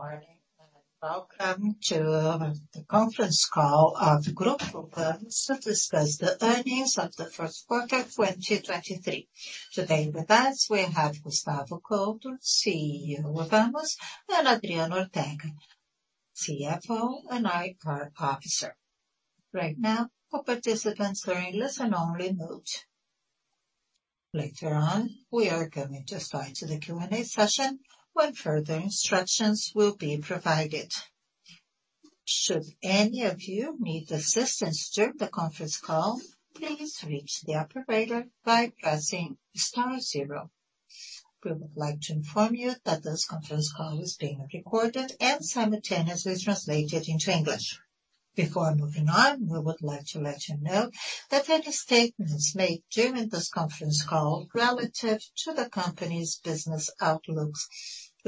Morning. Welcome to the Conference Call of Grupo Vamos to discuss the earnings of the 1st quarter 2023. Today with us, we have Gustavo Couto, CEO of Vamos, and Adriano Ortega, CFO and IR Officer. Right now, all participants are in listen-only mode. Later on, we are going to start the Q&A session when further instructions will be provided. Should any of you need assistance during the conference call, please reach the operator by pressing star zero. We would like to inform you that this conference call is being recorded and simultaneously translated into English. Before moving on, we would like to let you know that any statements made during this conference call relative to the company's business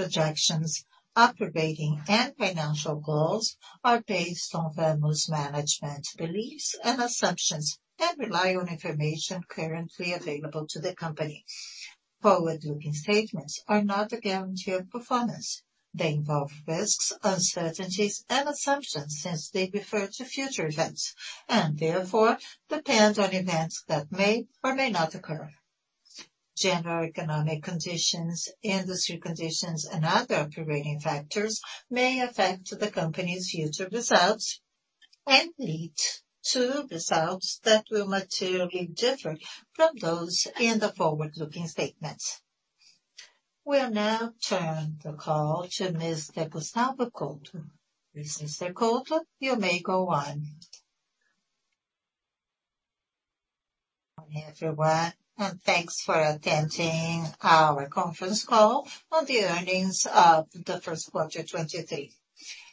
outlooks, projections, operating, and financial goals are based on Vamos management's beliefs and assumptions, rely on information currently available to the company. Forward-looking statements are not a guarantee of performance. They involve risks, uncertainties, and assumptions since they refer to future events. Therefore depend on events that may or may not occur. General economic conditions, industry conditions, and other operating factors may affect the company's future results and lead to results that will materially differ from those in the forward-looking statements. We'll now turn the call to Mr. Gustavo Couto. Mr. Couto, you may go on. Good morning, everyone, and thanks for attending our conference call on the earnings of the 1st quarter 2023.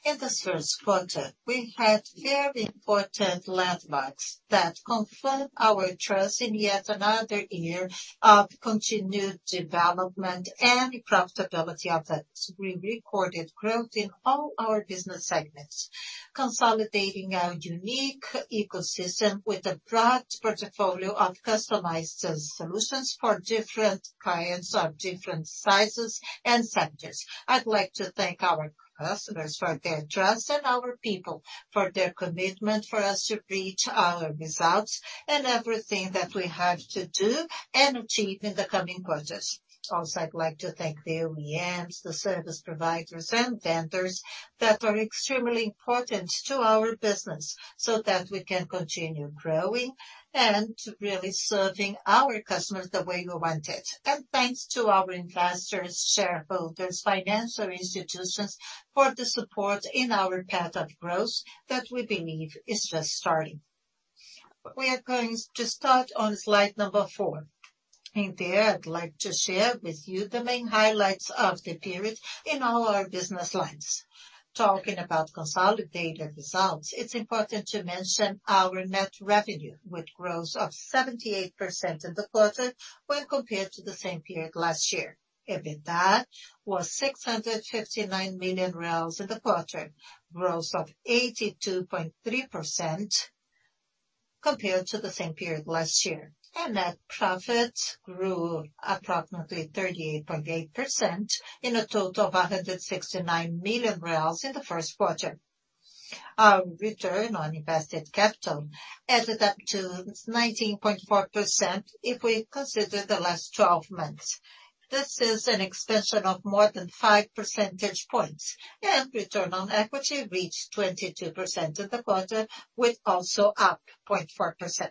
In this 1st quarter, we had very important landmarks that confirm our trust in yet another year of continued development and profitability of X. We recorded growth in all our business segments, consolidating our unique ecosystem with a broad portfolio of customized so-solutions for different clients of different sizes and sectors. I'd like to thank our customers for their trust and our people for their commitment for us to reach our results and everything that we have to do and achieve in the coming quarters. I'd like to thank the OEMs, the service providers and vendors that are extremely important to our business, so that we can continue growing and really serving our customers the way we want it. Thanks to our investors, shareholders, financial institutions for the support in our path of growth that we believe is just starting. We are going to start on slide number 4. In there, I'd like to share with you the main highlights of the period in all our business lines. Talking about consolidated results, it's important to mention our net revenue, which grows of 78% in the quarter when compared to the same period last year. EBITDA was BRL 659 million in the quarter, growth of 82.3% compared to the same period last year. Net profit grew approximately 38.8% in a total of 169 million reais in the 1st quarter. Our return on invested capital added up to 19.4% if we consider the last 12 months. This is an extension of more than five percentage points. Return on equity reached 22% in the quarter, with also up 0.4%.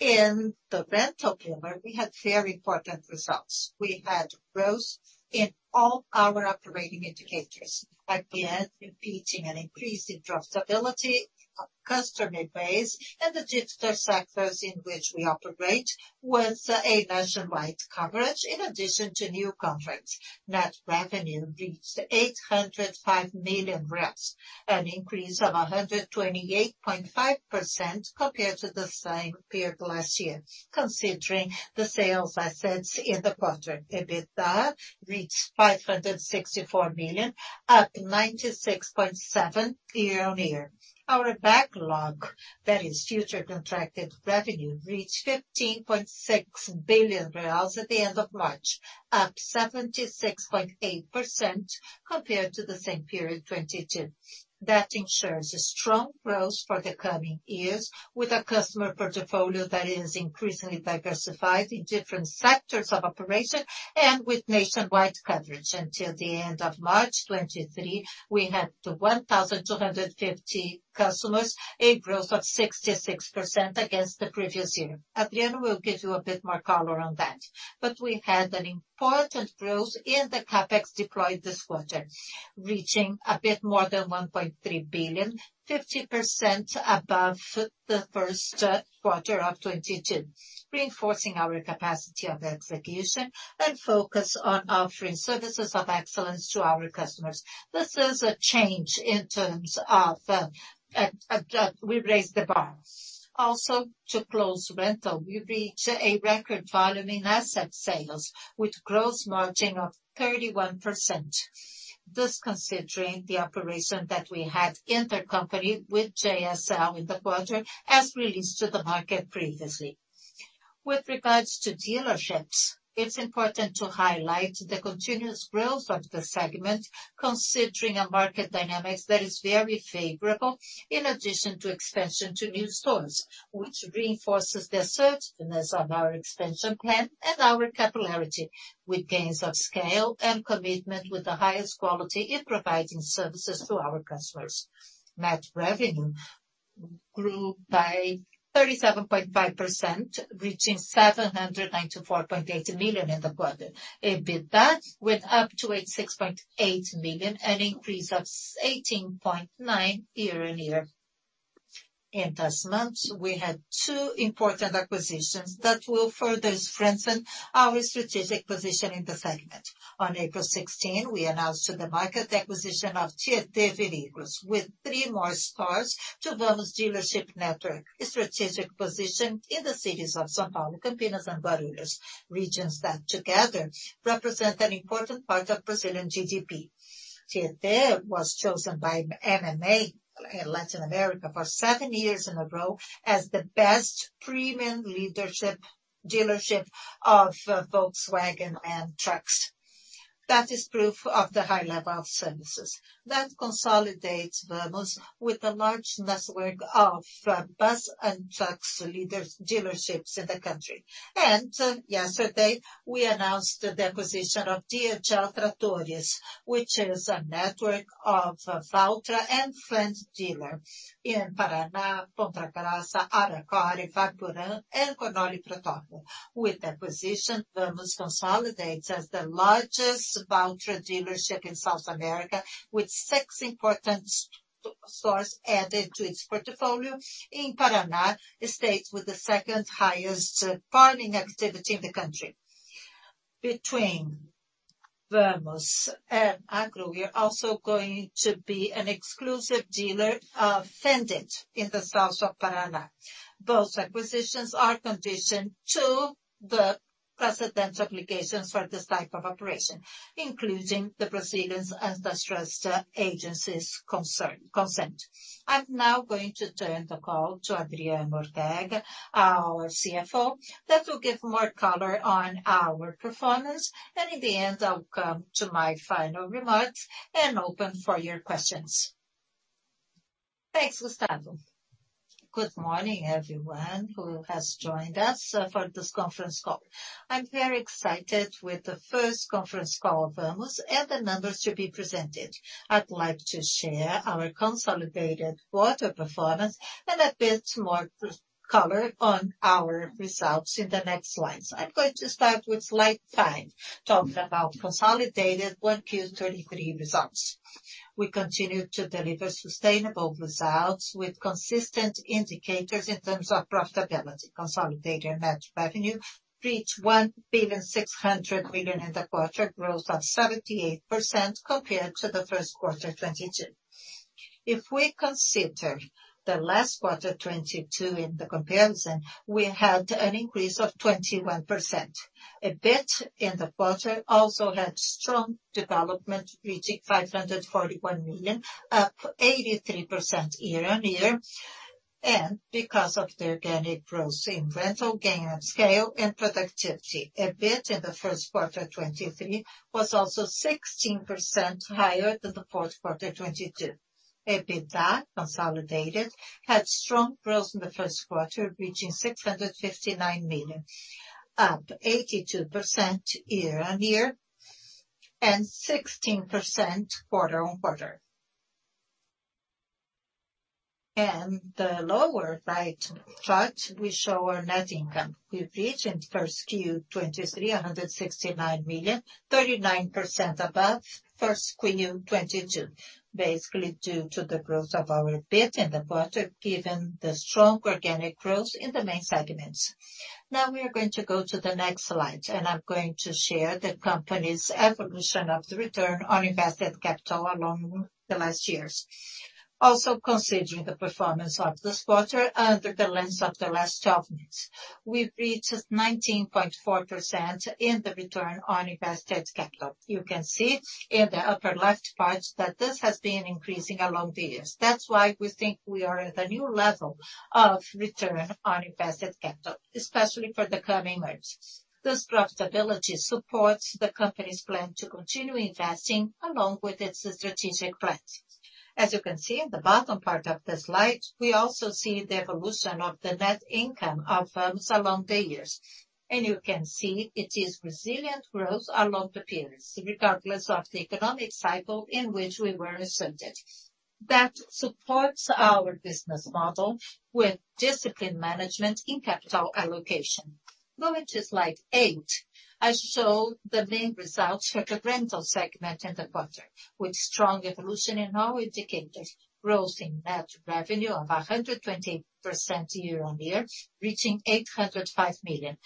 In the rental pillar, we had very important results. We had growth in all our operating indicators, again repeating an increase in profitability of customer base and the digital sectors in which we operate, with a nationwide coverage in addition to new contracts. Net revenue reached 805 million, an increase of 128.5% compared to the same period last year, considering the sales assets in the quarter. EBITDA reached 564 million, up 96.7% year-on-year. Our backlog, that is future contracted revenue, reached 15.6 billion reais at the end of March, up 76.8% compared to the same period 2022. That ensures a strong growth for the coming years with a customer portfolio that is increasingly diversified in different sectors of operation and with nationwide coverage. Until the end of March 2023, we had 1,250 customers, a growth of 66% against the previous year. Adriano will give you a bit more color on that. We had an important growth in the CapEx deployed this quarter, reaching a bit more than 1.3 billion, 50% above the 1st quarter of 2022, reinforcing our capacity of execution and focus on offering services of excellence to our customers. This is a change in terms of, we raised the bar. Also, to close rental, we reached a record volume in asset sales with gross margin of 31%. This considering the operation that we had inter-company with JSL in the quarter, as released to the market previously. With regards to dealerships, it's important to highlight the continuous growth of the segment, considering a market dynamics that is very favorable, in addition to expansion to new stores, which reinforces the certainness of our expansion plan and our capillarity with gains of scale and commitment with the highest quality in providing services to our customers. Net revenue grew by 37.5%, reaching 794.8 million in the quarter. EBITDA went up to 86.8 million, an increase of 18.9% year-on-year. In these months, we had two important acquisitions that will further strengthen our strategic position in the segment. On April 16, we announced to the market acquisition of Tietê Veículos with 3 more stores to Vamos dealership network, a strategic position in the cities of São Paulo, Campinas, and Barueri, regions that together represent an important part of Brazilian GDP. Tietê was chosen by MMA in Latin America for 7 years in a row as the best premium dealership of Volkswagen and trucks. That is proof of the high level of services. That consolidates Vamos with a large network of bus and trucks dealerships in the country. Yesterday, we announced the acquisition of DHL Tratores, which is a network of Valtra and Fendt dealer in Paraná, Ponta Grossa, Arapongas, Maringá, and Cornélio Procópio. With acquisition, Vamos consolidates as the largest Valtra dealership in South America, with 6 important stores added to its portfolio in Paraná, a state with the 2nd-highest farming activity in the country. Between Vamos and Agro, we are also going to be an exclusive dealer of Fendt in the south of Paraná. Both acquisitions are conditioned to the precedent applications for this type of operation, including the proceedings antitrust agencies consent. I'm now going to turn the call to Adriano Ortega, our CFO, that will give more color on our performance. In the end, I will come to my final remarks and open for your questions. Thanks, Gustavo. Good morning, everyone who has joined us for this conference call. I'm very excited with the 1st conference call of Vamos and the numbers to be presented. I'd like to share our consolidated quarter performance and a bit more color on our results in the next slides. I'm going to start with slide five, talking about consolidated 1st quarter 2023 results. We continue to deliver sustainable results with consistent indicators in terms of profitability. Consolidated net revenue reached 1.6 billion in the quarter, growth of 78% compared to 1st quarter 2022. If we consider 4th quarter 2022 in the comparison, we had an increase of 21%. EBIT in the quarter also had strong development, reaching 541 million, up 83% year-on-year. Because of the organic growth in rental gain and scale and productivity, EBIT in the 1st quarter 2023 was also 16% higher than the 4th quarter 2022. EBITDA consolidated had strong growth in the 1st quarter, reaching 659 million, up 82% year-on-year and 16% quarter-on-quarter. The lower right chart, we show our net income. We reached in 1st Q 2023 BRL 169 million, 39% above 1st Q 2022, basically due to the growth of our EBIT in the quarter, given the strong organic growth in the main segments. Now we are going to go to the next slide, and I'm going to share the company's evolution of the return on invested capital along the last years. Also considering the performance of this quarter under the lens of the last 12 months. We've reached 19.4% in the return on invested capital. You can see in the upper left part that this has been increasing along the years. That's why we think we are at a new level of return on invested capital, especially for the coming months. This profitability supports the company's plan to continue investing along with its strategic plans. As you can see in the bottom part of the slide, we also see the evolution of the net income of Vamos along the years. You can see it is resilient growth along the periods, regardless of the economic cycle in which we were inserted. That supports our business model with disciplined management in capital allocation. Going to slide 8, I show the main results for the rental segment in the quarter, with strong evolution in our indicators. Growth in net revenue of 120% year-on-year, reaching 805 million.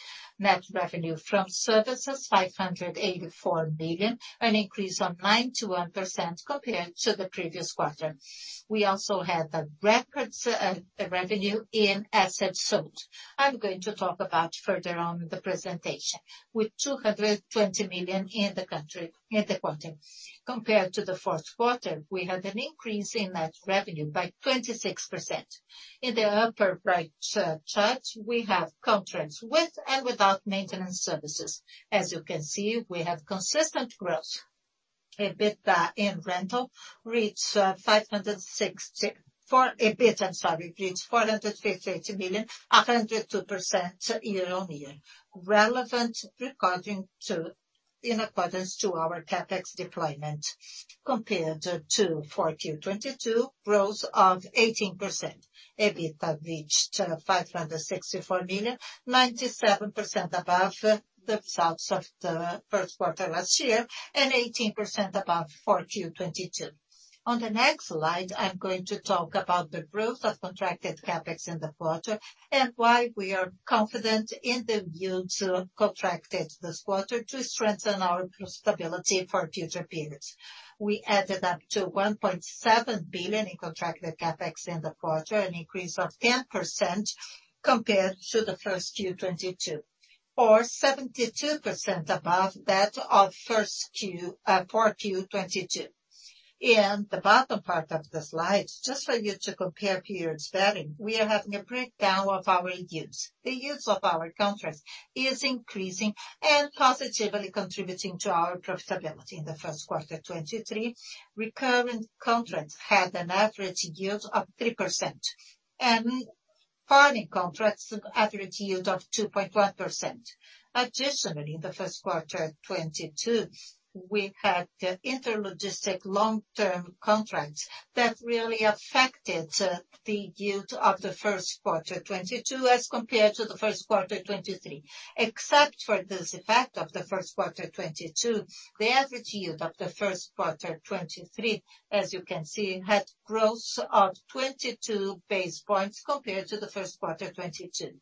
Net revenue from services, 584 million, an increase of 91% compared to the previous quarter. We also had a record revenue in assets sold. I'm going to talk about further on in the presentation. With 220 million in the quarter. Compared to the 4th quarter, we had an increase in net revenue by 26%. In the upper right chart, we have contracts with and without maintenance services. As you can see, we have consistent growth. EBITDA in rental reached for EBIT, I'm sorry, reached 458 million, 102% year-on-year. Relevant in accordance to our CapEx deployment compared to 4Q 2022, growth of 18%. EBITDA reached 564 million, 97% above the results of the 1st quarter last year, and 18% above 4Q 2022. On the next slide, I'm going to talk about the growth of contracted CapEx in the quarter and why we are confident in the yield contracted this quarter to strengthen our profitability for future periods. We added up to 1.7 billion in contracted CapEx in the quarter, an increase of 10% compared to the 1st Q 2022, or 72% above that of 1st Q, 4Q 2022. In the bottom part of the slide, just for you to compare periods better, we are having a breakdown of our yields. The yields of our contracts is increasing and positively contributing to our profitability. In the 1st quarter 2023, recurring contracts had an average yield of 3%, and farming contracts, an average yield of 2.1%. Additionally, in the 1st quarter 2022, we had inter-logistic long-term contracts that really affected the yield of the 1st quarter 2022 as compared to the 1st quarter 2023. Except for this effect of the 1st quarter 2022, the average yield of the 1st quarter 2023, as you can see, had growth of 22 base points compared to the 1st quarter 2022.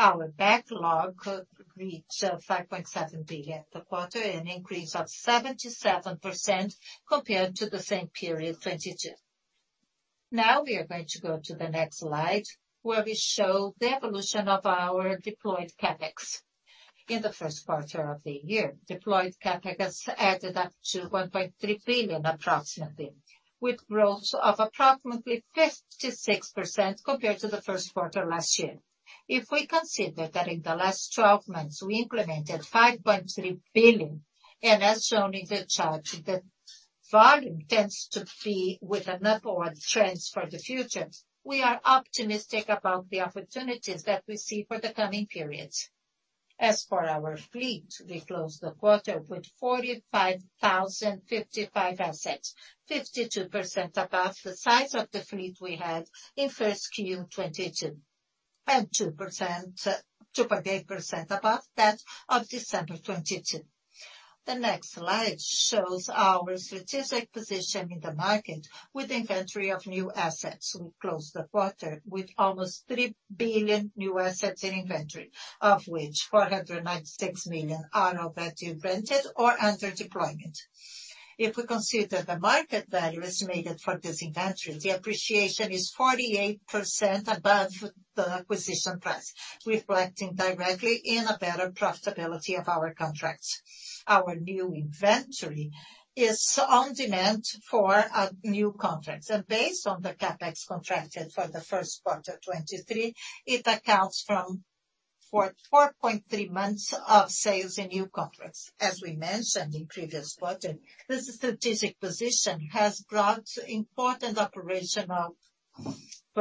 Our backlog reached 5.7 billion at the quarter, an increase of 77% compared to the same period 2022. We are going to go to the next slide, where we show the evolution of our deployed CapEx. In the 1st quarter of the year, deployed CapEx has added up to 1.3 billion approximately, with growth of approximately 56% compared to the 1st quarter last year. If we consider that in the last twelve months we implemented 5.3 billion, as shown in the chart, the volume tends to be with an upward trend for the future, we are optimistic about the opportunities that we see for the coming periods. As for our fleet, we closed the quarter with 45,055 assets, 52% above the size of the fleet we had in 1st Q 2022, and 2.8% above that of December 2022. The next slide shows our strategic position in the market with inventory of new assets. We closed the quarter with almost 3 billion new assets in inventory, of which 496 million are already rented or under deployment. If we consider the market value estimated for this inventory, the appreciation is 48% above the acquisition price, reflecting directly in a better profitability of our contracts. Our new inventory is on demand for new contracts, and based on the CapEx contracted for the 1st quarter 2023, it accounts from 4.3 months of sales in new contracts. As we mentioned in previous quarter, this strategic position has brought important operational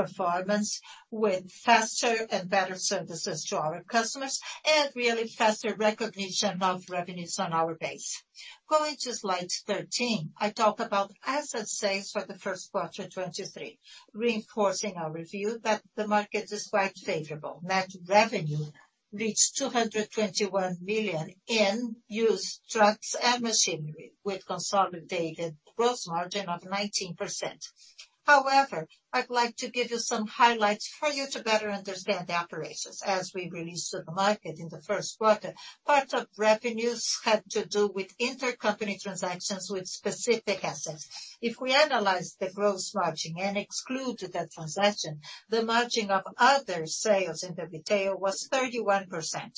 performance with faster and better services to our customers and really faster recognition of revenues on our base. Going to slide 13, I talk about asset sales for the 1st quarter 2023, reinforcing our review that the market is quite favorable. Net revenue reached 221 million in used trucks and machinery, with consolidated gross margin of 19%. However, I'd like to give you some highlights for you to better understand the operations. As we released to the market in the 1st quarter, part of revenues had to do with intercompany transactions with specific assets. If we analyze the gross margin and exclude that transaction, the margin of other sales in the detail was 31%.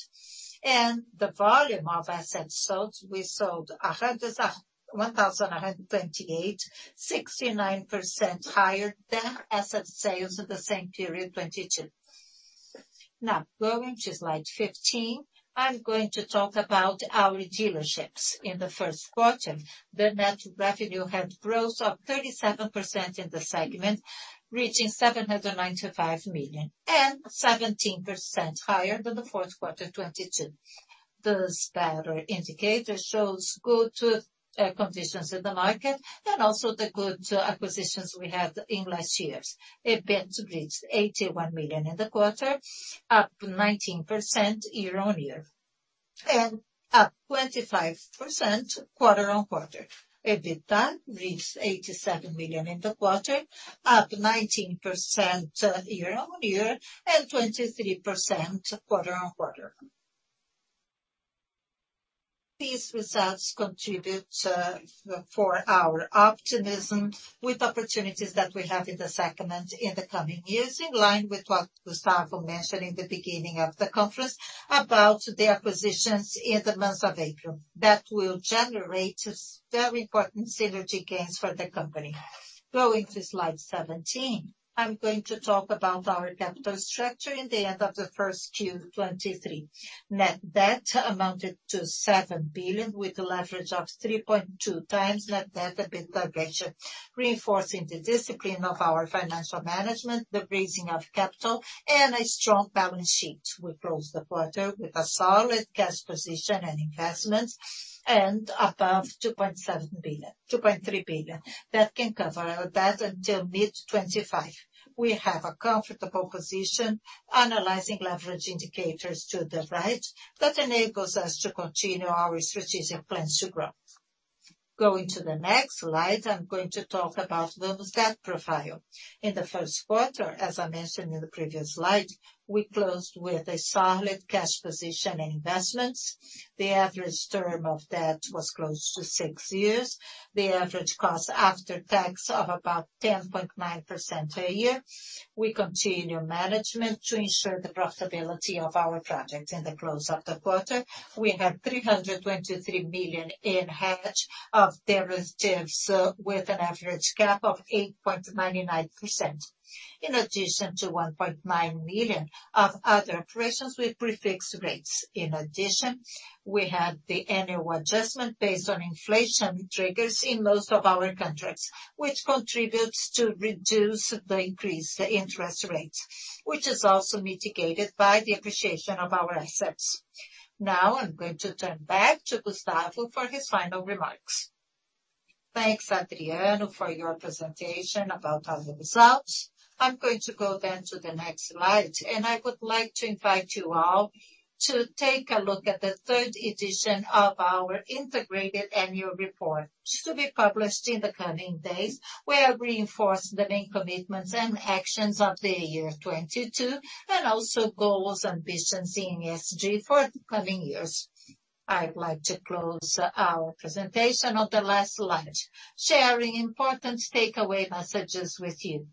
The volume of assets sold, we sold 1,128, 69% higher than asset sales at the same period 2022. Now, going to slide 15, I'm going to talk about our dealerships. In the 1st quarter, the net revenue had growth of 37% in the segment, reaching 795 million, and 17% higher than the 4th quarter 2022. This better indicator shows good conditions in the market and also the good acquisitions we had in last years. EBIT reached 81 million in the quarter, up 19% year-on-year, and up 25% quarter-on-quarter. EBITDA reached 87 million in the quarter, up 19% year-on-year, and 23% quarter-on-quarter. These results contribute for our optimism with opportunities that we have in the segment in the coming years, in line with what Gustavo mentioned in the beginning of the conference about the acquisitions in the months of April that will generate very important synergy gains for the company. Going to slide 17, I'm going to talk about our capital structure in the end of the 1st Q 23. Net debt amounted to 7 billion, with a leverage of 3.2x net debt EBITDA ratio, reinforcing the discipline of our financial management, the raising of capital, and a strong balance sheet. We closed the quarter with a solid cash position and investments and above 2.7 billion. 2.3 billion. That can cover our debt until mid-2025. We have a comfortable position analyzing leverage indicators to the right that enables us to continue our strategic plans to grow. Going to the next slide, I'm going to talk about Vamos debt profile. In the 1st quarter, as I mentioned in the previous slide, we closed with a solid cash position in investments. The average term of debt was close to six years. The average cost after tax of about 10.9% a year. We continue management to ensure the profitability of our projects. In the close of the quarter, we had 323 million in hedge of derivatives with an average cap of 8.99%, in addition to 1.9 million of other operations with prefixed rates. We had the annual adjustment based on inflation triggers in most of our contracts, which contributes to reduce the increased interest rates, which is also mitigated by the appreciation of our assets. I'm going to turn back to Gustavo for his final remarks. Thanks, Adriano, for your presentation about our results. I'm going to go then to the next slide, and I would like to invite you all to take a look at the 3rd edition of our integrated annual report, to be published in the coming days, where we reinforce the main commitments and actions of the year 2022 and also goals and visions in ESG for the coming years. I would like to close our presentation on the last slide, sharing important takeaway messages with you.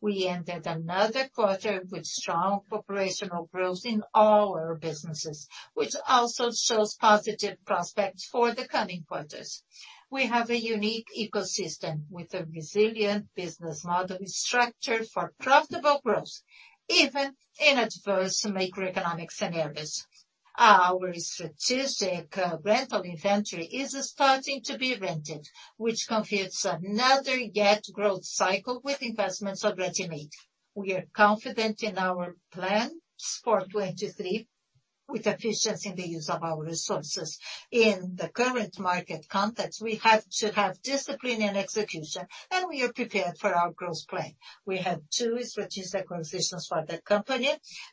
We ended another quarter with strong operational growth in all our businesses, which also shows positive prospects for the coming quarters. We have a unique ecosystem with a resilient business model structured for profitable growth, even in adverse macroeconomic scenarios. Our strategic rental inventory is starting to be rented, which confirms another yet growth cycle with investments already made. We are confident in our plans for 2023, with efficiency in the use of our resources. In the current market context, we have to have discipline and execution, and we are prepared for our growth plan. We have two strategic acquisitions for the company,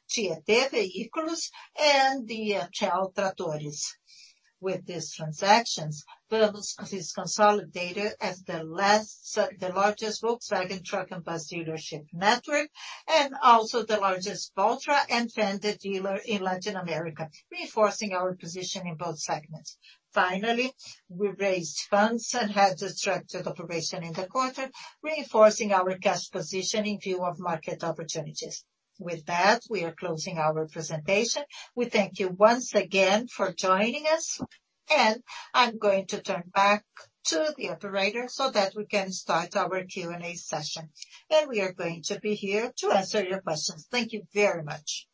GTV Veículos and the CL Tratores. With these transactions, Vamos is consolidated as the largest Volkswagen Truck & Bus dealership network, and also the largest Valtra and Fendt dealer in Latin America, reinforcing our position in both segments. We raised funds and had a structured operation in the quarter, reinforcing our cash position in view of market opportunities. With that, we are closing our presentation. We thank you once again for joining us, and I'm going to turn back to the operator so that we can start our Q&A session, and we are going to be here to answer your questions. Thank you very much.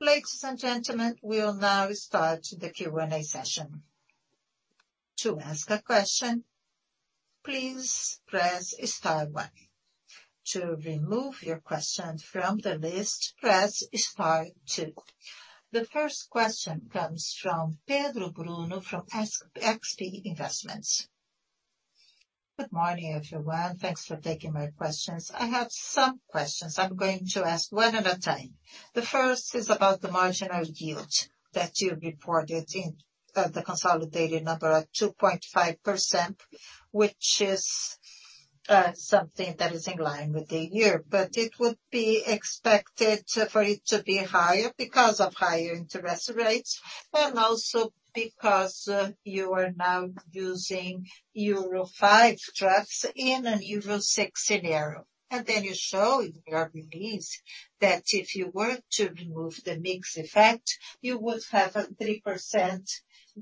Ladies and gentlemen, we will now start the Q&A session. To ask a question, please press star one. To remove your question from the list, press star two. The 1st question comes from Pedro Bruno from XP Investimentos. Good morning, everyone. Thanks for taking my questions. I have some questions I'm going to ask one at a time. The 1st is about the marginal yield that you reported in the consolidated number at 2.5%, which is something that is in line with the year. It would be expected for it to be higher because of higher interest rates and also because you are now using Euro V trucks in an Euro VI scenario. You show in your release that if you were to remove the mix effect, you would have a 3%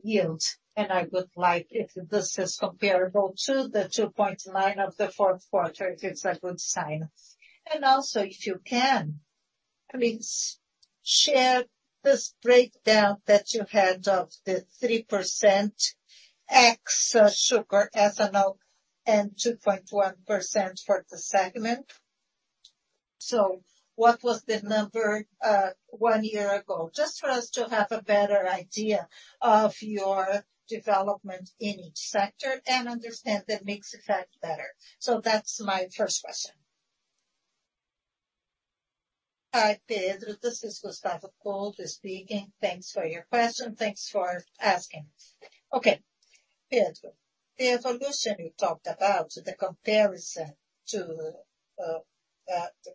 yield, I would like if this is comparable to the 2.9% of the 4th quarter, if it's a good sign? Also, if you can, please share this breakdown that you had of the 3% ex sugar ethanol and 2.1% for the segment. What was the number one year ago? Just for us to have a better idea of your development in each sector and understand the mix effect better. That's my 1st question. Hi, Pedro. This is Gustavo Couto speaking. Thanks for your question. Thanks for asking. Pedro, the evolution you talked about, the comparison to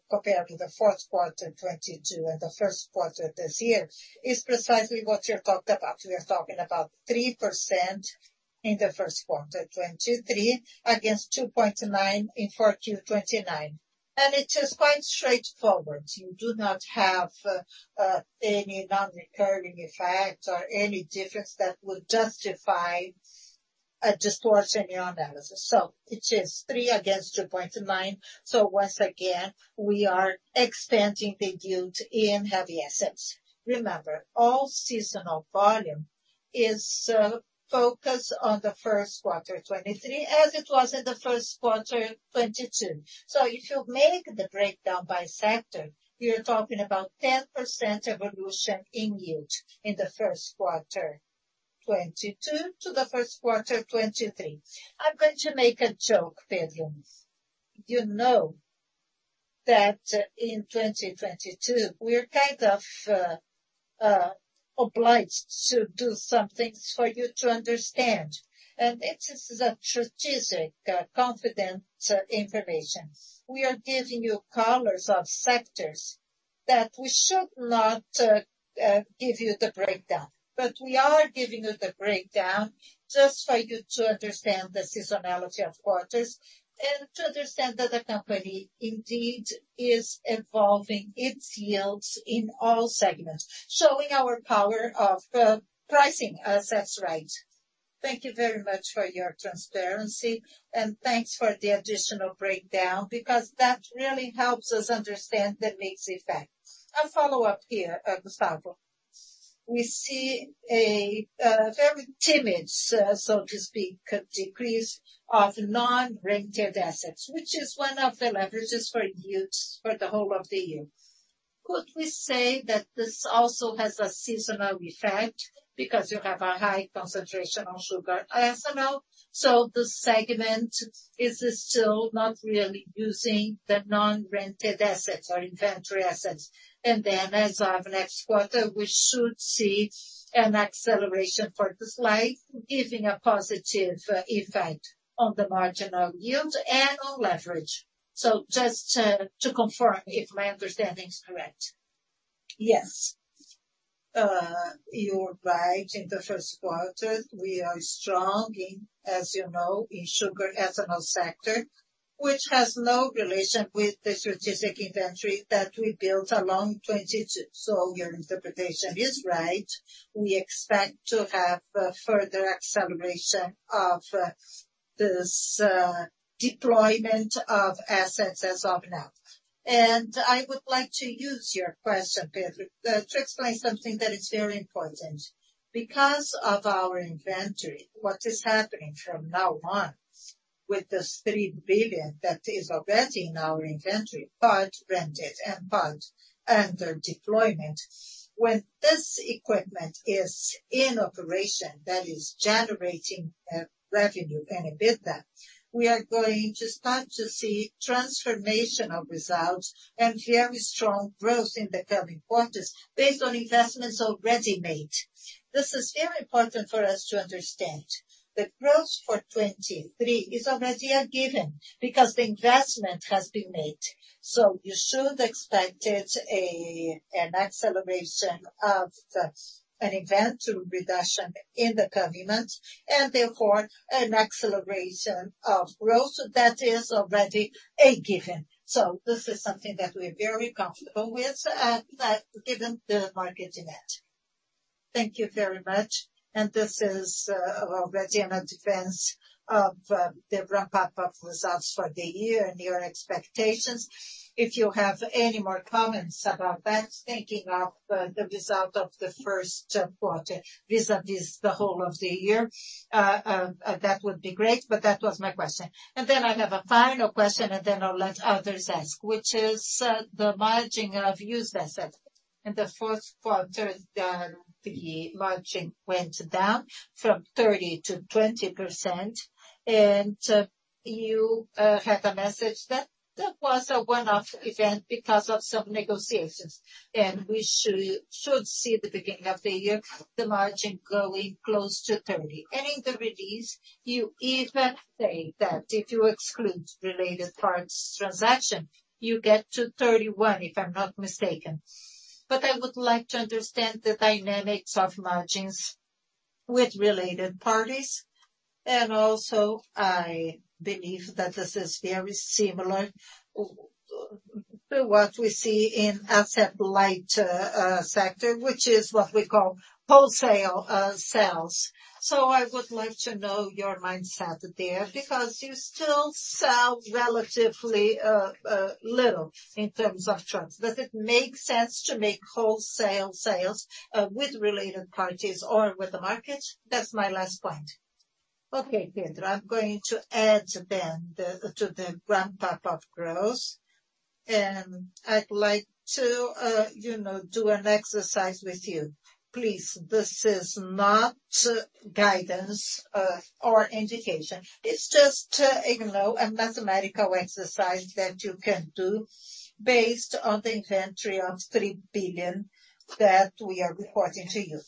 compared to the 4th quarter 2022 and the 1st quarter this year is precisely what you talked about. We are talking about 3% in the 1st quarter 2022, 2023, against 2.9% in 4Q 2029. It is quite straightforward. You do not have any non-recurring effects or any difference that would justify a distortion in your analysis. It is 3% against 2.9%. Once again, we are expanding the yield in heavy assets. Remember, all seasonal volume is focused on the 1st quarter 2023, as it was in the 1st quarter 2022. If you make the breakdown by sector, you're talking about 10% evolution in yield in the 1st quarter 2022 to the 1st quarter 2023. I'm going to make a joke, Pedro. You know that in 2022, we are kind of obliged to do some things for you to understand, and it is a strategic, confident information. We are giving you colors of sectors that we should not give you the breakdown. We are giving you the breakdown just for you to understand the seasonality of quarters and to understand that the company indeed is evolving its yields in all segments, showing our power of pricing assets right. Thank you very much for your transparency, thanks for the additional breakdown because that really helps us understand the mix effect. A follow-up here, Gustavo, we see a very timid, so to speak, decrease of non-rented assets, which is one of the leverages for yields for the whole of the year. Could we say that this also has a seasonal effect because you have a high concentration on sugar ethanol, the segment is still not really using the non-rented assets or inventory assets? As of next quarter, we should see an acceleration for this slide, giving a positive effect on the margin of yield and on leverage. Just to confirm if my understanding is correct. Yes. You're right. In the 1st quarter, we are strong in, as you know, in sugar ethanol sector, which has no relation with the strategic inventory that we built along 2022. Your interpretation is right. We expect to have a further acceleration of this deployment of assets as of now. I would like to use your question, Pedro, to explain something that is very important. Because of our inventory, what is happening from now on with this 3 billion that is already in our inventory, part rented and part under deployment. When this equipment is in operation, that is generating revenue and EBITDA, we are going to start to see transformation of results and very strong growth in the coming quarters based on investments already made. This is very important for us to understand. The growth for 2023 is already a given because the investment has been made. You should expect it an acceleration of an event to reduction in the coming months, and therefore an acceleration of growth that is already a given. This is something that we're very comfortable with, that given the market dynamic. Thank you very much. This is already in a defense of the wrap-up of results for the year and your expectations. If you have any more comments about that, thinking of the result of the 1st quarter vis-à-vis the whole of the year, that would be great, but that was my question. I have a final question, and then I'll let others ask, which is the margining of used assets. In the 4th quarter, the margining went down from 30%-20%. You had the message that that was a one-off event because of some negotiations, and we should see the beginning of the year, the margin going close to 30%. In the release you even say that if you exclude related parts transaction, you get to 31%, if I'm not mistaken. I would like to understand the dynamics of margins with related parties. Also, I believe that this is very similar to what we see in asset light sector, which is what we call wholesale sales. I would like to know your mindset there because you still sell relatively little in terms of trucks. Does it make sense to make wholesale sales with related parties or with the market? That's my last point. Pedro, I'm going to add to the ramp-up of growth. I'd like to, you know, do an exercise with you. Please, this is not guidance or indication. It's just, you know, a mathematical exercise that you can do based on the inventory of 3 billion that we are reporting to you.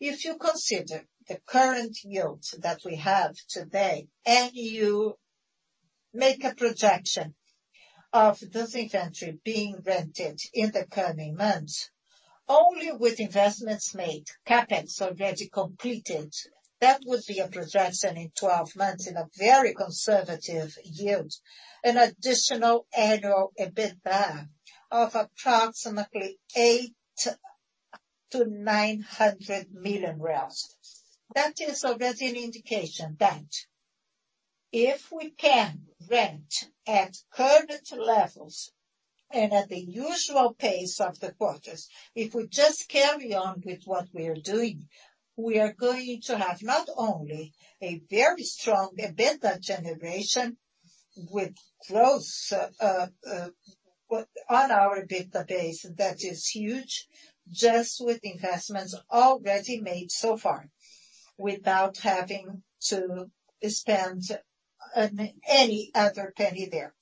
If you consider the current yields that we have today and you make a projection of this inventory being rented in the coming months only with investments made, CapEx already completed, that would be a projection in 12 months in a very conservative yield, an additional annual EBITDA of approximately 800 million-900 million. That is already an indication that if we can rent at current levels and at the usual pace of the quarters, if we just carry on with what we are doing, we are going to have not only a very strong EBITDA generation with growth on our database that is huge, just with investments already made so far without having to spend any other penny there.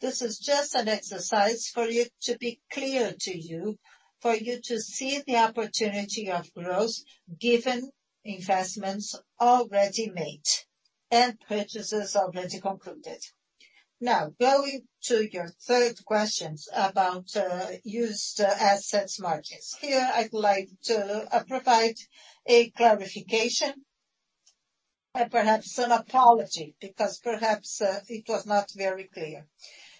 This is just an exercise for you to be clear to you, for you to see the opportunity of growth given investments already made and purchases already concluded. Going to your 3rd questions about used assets margins. Here I'd like to provide a clarification and perhaps an apology because perhaps it was not very clear.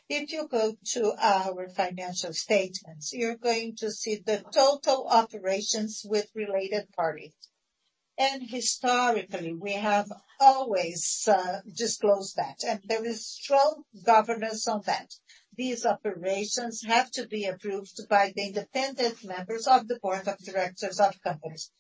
If you go to our financial statements, you're going to see the total operations with related parties. Historically we have always disclosed that and there is strong governance on that. These operations have to be approved by the independent members of the board of directors of companies.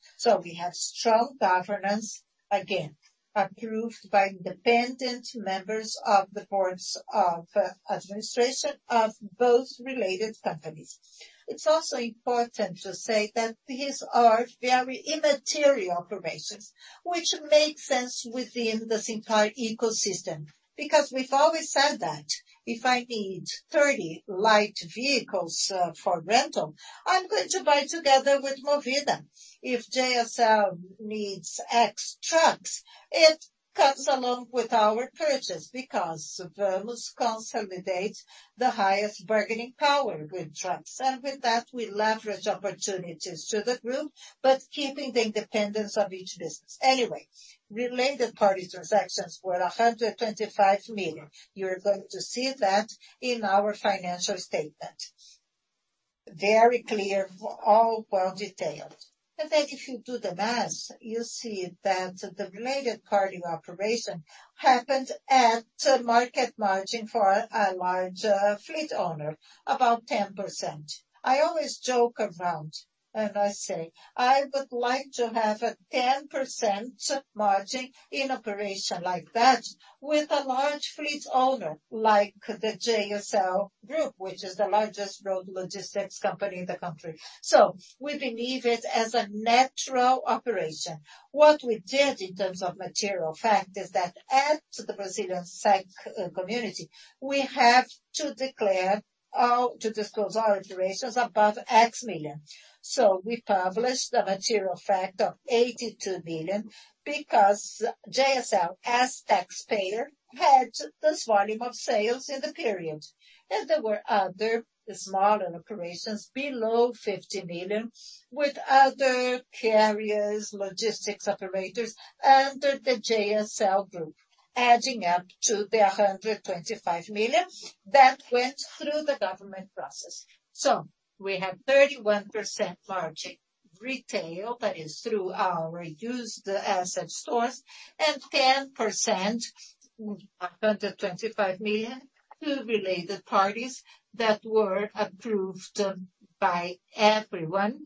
We have strong governance, again, approved by independent members of the boards of administration of both related companies. It's also important to say that these are very immaterial operations which make sense within this entire ecosystem because we've always said that if I need 30 light vehicles for rental, I'm going to buy together with Movida. If JSL needs X trucks, it comes along with our purchase because Vamos consolidates the highest bargaining power with trucks and with that we leverage opportunities to the group but keeping the independence of each business. Related party transactions were 125 million. You're going to see that in our financial statement. Very clear, all well detailed. If you do the math, you see that the related party operation happened at market margin for a large fleet owner, about 10%. I always joke around and I say, "I would like to have a 10% margin in operation like that with a large fleet owner like the JSL Group, which is the largest road logistics company in the country." We believe it as a natural operation. What we did in terms of material fact is that as to the Brazilian CVM community, we have to disclose all operations above X million. We published the material fact of 82 million because JSL as taxpayer had this volume of sales in the period. There were other smaller operations below 50 million with other carriers, logistics operators under the JSL Group adding up to 125 million that went through the government process. We have 31% margin retail that is through our used asset stores and 10%, 125 million to related parties that were approved by everyone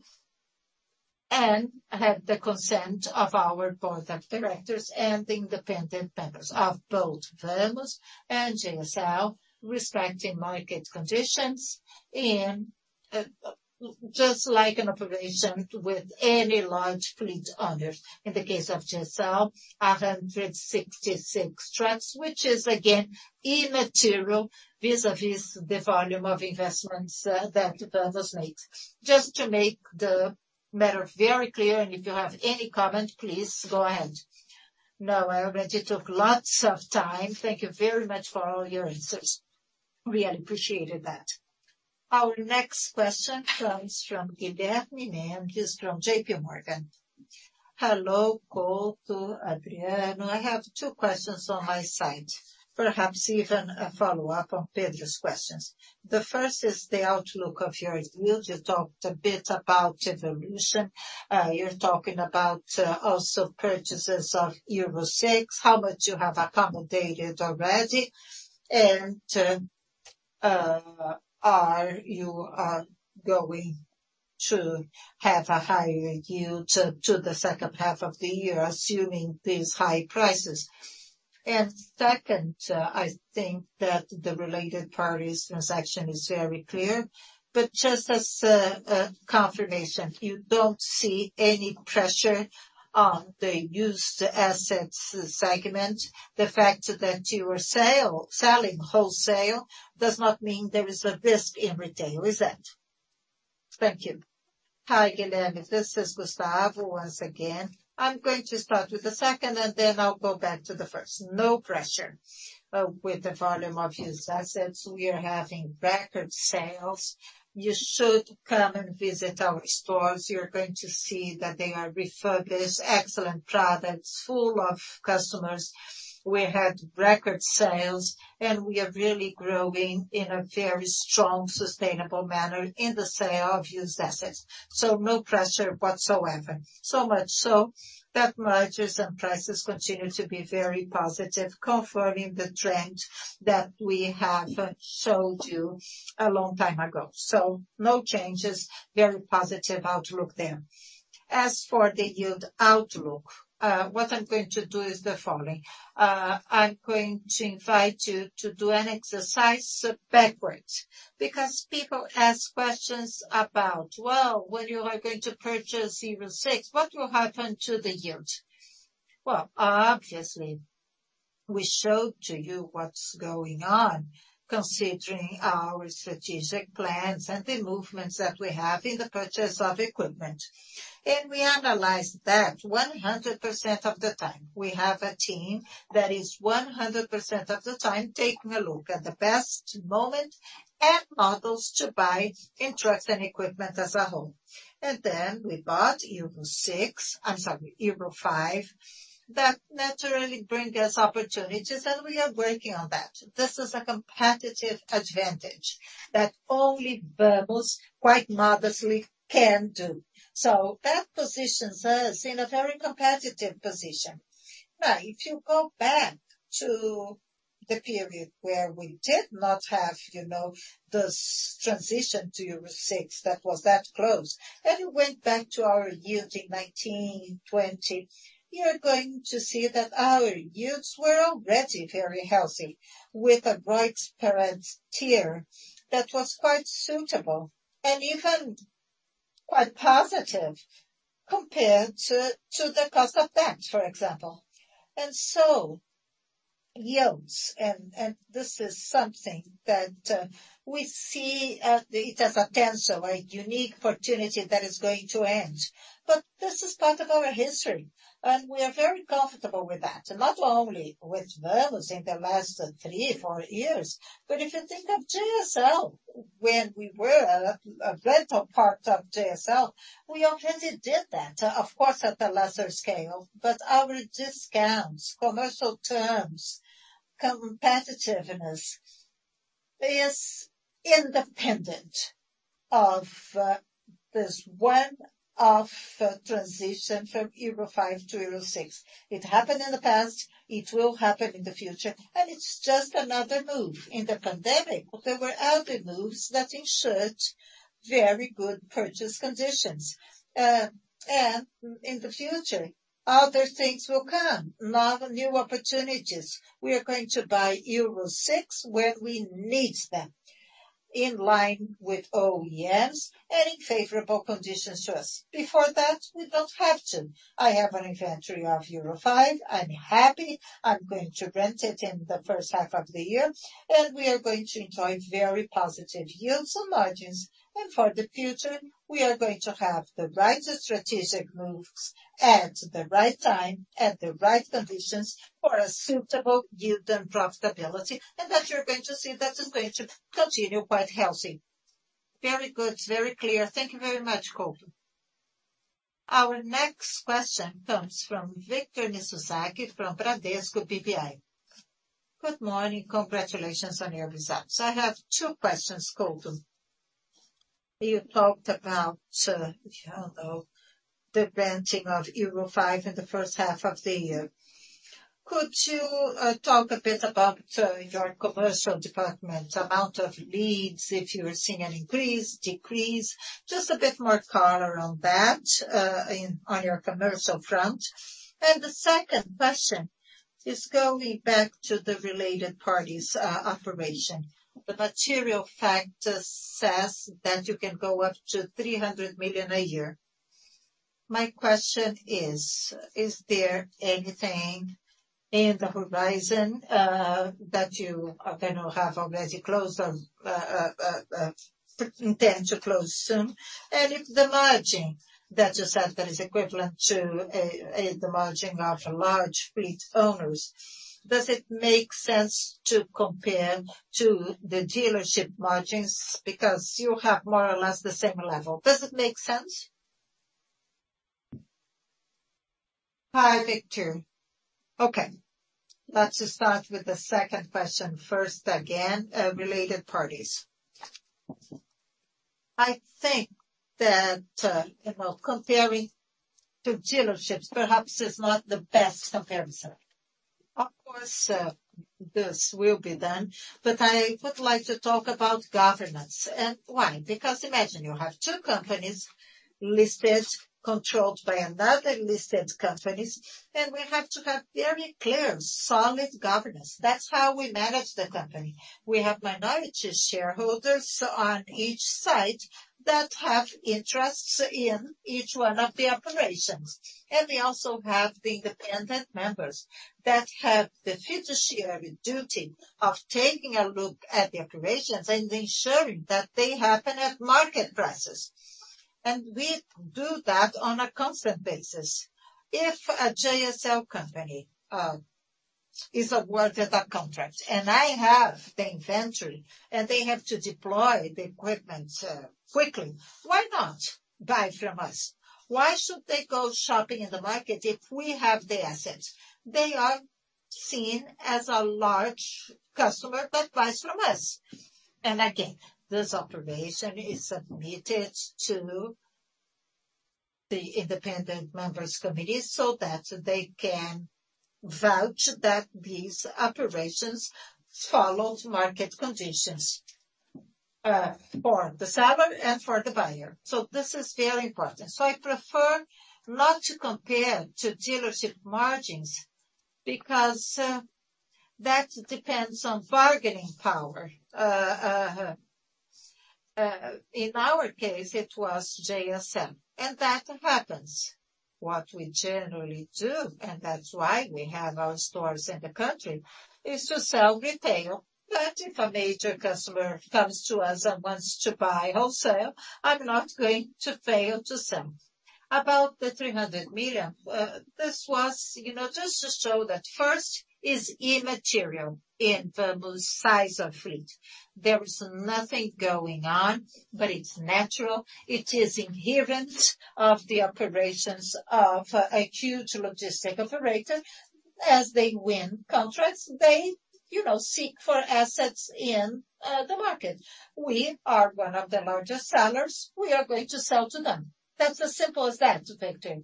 and had the consent of our board of directors and the independent members of both Vamos and JSL respecting market conditions and just like an operation with any large fleet owners. In the case of JSL, 166 trucks which is again immaterial vis-à-vis the volume of investments that Vamos makes. Just to make the matter very clear and if you have any comment please go ahead. No, I already took lots of time. Thank you very much for all your answers. Really appreciated that. Our next question comes from Guilherme Mendes from J.P. Morgan. Hello, Couto, Adriano. I have two questions on my side, perhaps even a follow-up on Pedro's questions. The 1st is the outlook of your yield. You talked a bit about evolution. You're talking about also purchases of Euro VI, how much you have accommodated already and are you going to have a higher yield to the 2nd half of the year assuming these high prices? Second, I think that the related parties transaction is very clear but just as a confirmation, you don't see any pressure on the used assets segment. The fact that you are selling wholesale does not mean there is a risk in retail, is it? Thank you. Hi, Guilherme. This is Gustavo once again. I'm going to start with the 2nd, and then I'll go back to the 1st. No pressure with the volume of used assets. We are having record sales. You should come and visit our stores. You're going to see that they are refurbished, excellent products, full of customers. We had record sales, and we are really growing in a very strong, sustainable manner in the sale of used assets. No pressure whatsoever. Much so that margins and prices continue to be very positive, confirming the trend that we have showed you a long time ago. No changes. Very positive outlook there. As for the yield outlook, what I'm going to do is the following. I'm going to invite you to do an exercise backwards because people ask questions about, "Well, when you are going to purchase Euro VI, what will happen to the yield?" Well, obviously we showed to you what's going on considering our strategic plans and the movements that we have in the purchase of equipment and we analyze that 100% of the time. We have a team that is 100% of the time taking a look at the best moment and models to buy in trucks and equipment as a whole. We bought Euro VI-- I'm sorry, Euro V. That naturally bring us opportunities and we are working on that. This is a competitive advantage that only Vamos, quite modestly can do. That positions us in a very competitive position. Now, if you go back to the period where we did not have, you know, this transition to Euro VI that was that close, and you went back to our yield in 1920, you're going to see that our yields were already very healthy with a right parent tier that was quite suitable and even quite positive compared to the cost of debt, for example. Yields and this is something that we see it as a tensor, a unique opportunity that is going to end. This is part of our history and we are very comfortable with that. Not only with Vamos in the last 3, 4 years, but if you think of JSL when we were a greater part of JSL, we already did that, of course at a lesser scale. Our discounts, commercial terms, competitiveness is independent of this one-off transition from Euro V to Euro VI. It happened in the past, it will happen in the future and it's just another move. In the pandemic there were other moves that ensured very good purchase conditions. In the future other things will come, lot of new opportunities. We are going to buy Euro VI when we need them in line with OEMs and in favorable conditions to us. Before that, we don't have to. I have an inventory of Euro V. I'm happy. I'm going to rent it in the 1st half of the year and we are going to enjoy very positive yields and margins. For the future we are going to have the right strategic moves at the right time, at the right conditions for a suitable yield and profitability and that you're going to see that is going to continue quite healthy. Very good. Very clear. Thank you very much, Couto. Our next question comes from Victor Mizusaki from Bradesco BBI. Good morning. Congratulations on your results. I have 2 questions, Couto. You talked about, I don't know, the renting of Euro V in the 1st half of the year. Could you talk a bit about your commercial department, amount of leads, if you are seeing an increase, decrease? Just a bit more color on that in on your commercial front. The 2nd question is going back to the related parties operation. The material fact says that you can go up to 300 million a year. My question is there anything in the horizon that you know, have already closed on, intend to close soon? If the margin that you said that is equivalent to the margin of large fleet owners, does it make sense to compare to the dealership margins because you have more or less the same level? Does it make sense? Hi, Victor. Okay, let's start with the 2nd question 1st again, related parties. I think that, you know, comparing to dealerships perhaps is not the best comparison. Of course, this will be done, but I would like to talk about governance and why? Because imagine you have two companies listed, controlled by another listed companies and we have to have very clear solid governance. That's how we manage the company. We have minority shareholders on each side that have interests in each one of the operations. We also have the independent members that have the fiduciary duty of taking a look at the operations and ensuring that they happen at market prices. We do that on a constant basis. If a JSL company is awarded a contract and I have the inventory and they have to deploy the equipment quickly, why not buy from us? Why should they go shopping in the market if we have the assets? They are seen as a large customer that buys from us. Again, this operation is submitted to the independent members committee so that they can vouch that these operations followed market conditions for the seller and for the buyer. This is very important. I prefer not to compare to dealership margins because that depends on bargaining power. In our case it was JSL, and that happens. What we generally do, and that's why we have our stores in the country, is to sell retail. If a major customer comes to us and wants to buy wholesale, I'm not going to fail to sell. About the 300 million, this was, you know, just to show that 1st is immaterial in Klabauter size of fleet. There is nothing going on, but it's natural. It is inherent of the operations of a huge logistic operator. As they win contracts, they, you know, seek for assets in the market. We are one of the largest sellers. We are going to sell to them. That's as simple as that, Victor.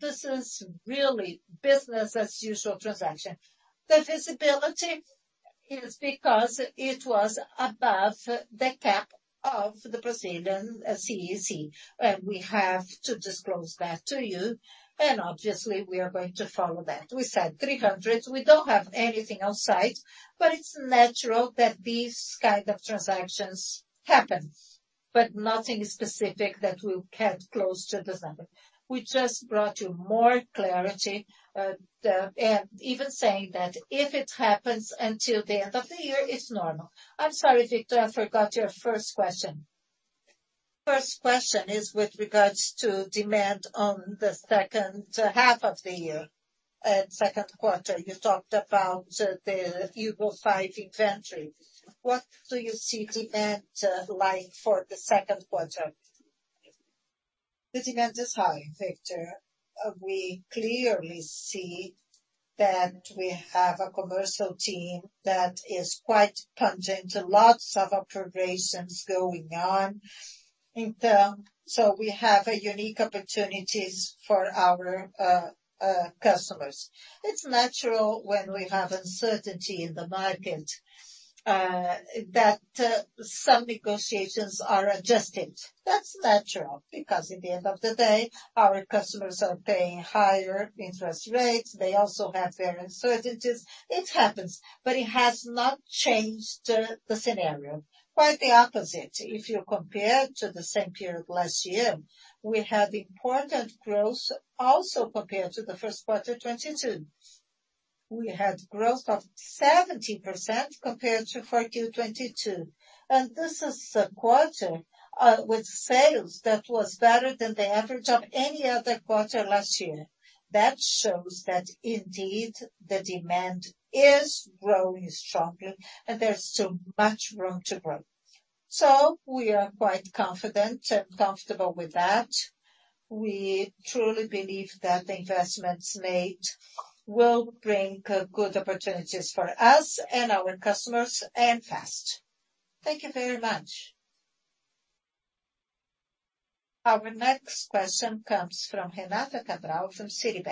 This is really business as usual transaction. The visibility is because it was above the cap of the Brazilian CEC, and we have to disclose that to you. Obviously we are going to follow that. We said 300. We don't have anything outside, it's natural that these kind of transactions happen. Nothing specific that will get close to this number. We just brought you more clarity, even saying that if it happens until the end of the year, it's normal. I'm sorry, Victor, I forgot your 1st question. First question is with regards to demand on the 2nd half of the year and 2nd quarter. You talked about the Euro V inventory. What do you see demand like for the 2nd quarter? The demand is high, Victor. We clearly see that we have a commercial team that is quite pungent, lots of operations going on in term. We have a unique opportunities for our customers. It's natural when we have uncertainty in the market that some negotiations are adjusted. That's natural because at the end of the day, our customers are paying higher interest rates. They also have their uncertainties. It happens, but it has not changed the scenario. Quite the opposite. If you compare to the same period last year, we had important growth also compared to the 1st quarter 22. We had growth of 70% compared to 40 22. This is a quarter with sales that was better than the average of any other quarter last year. That shows that indeed the demand is growing strongly and there's still much room to grow. We are quite confident and comfortable with that. We truly believe that the investments made will bring good opportunities for us and our customers and fast. Thank you very much. Our next question comes from Renata Cabral from Citi.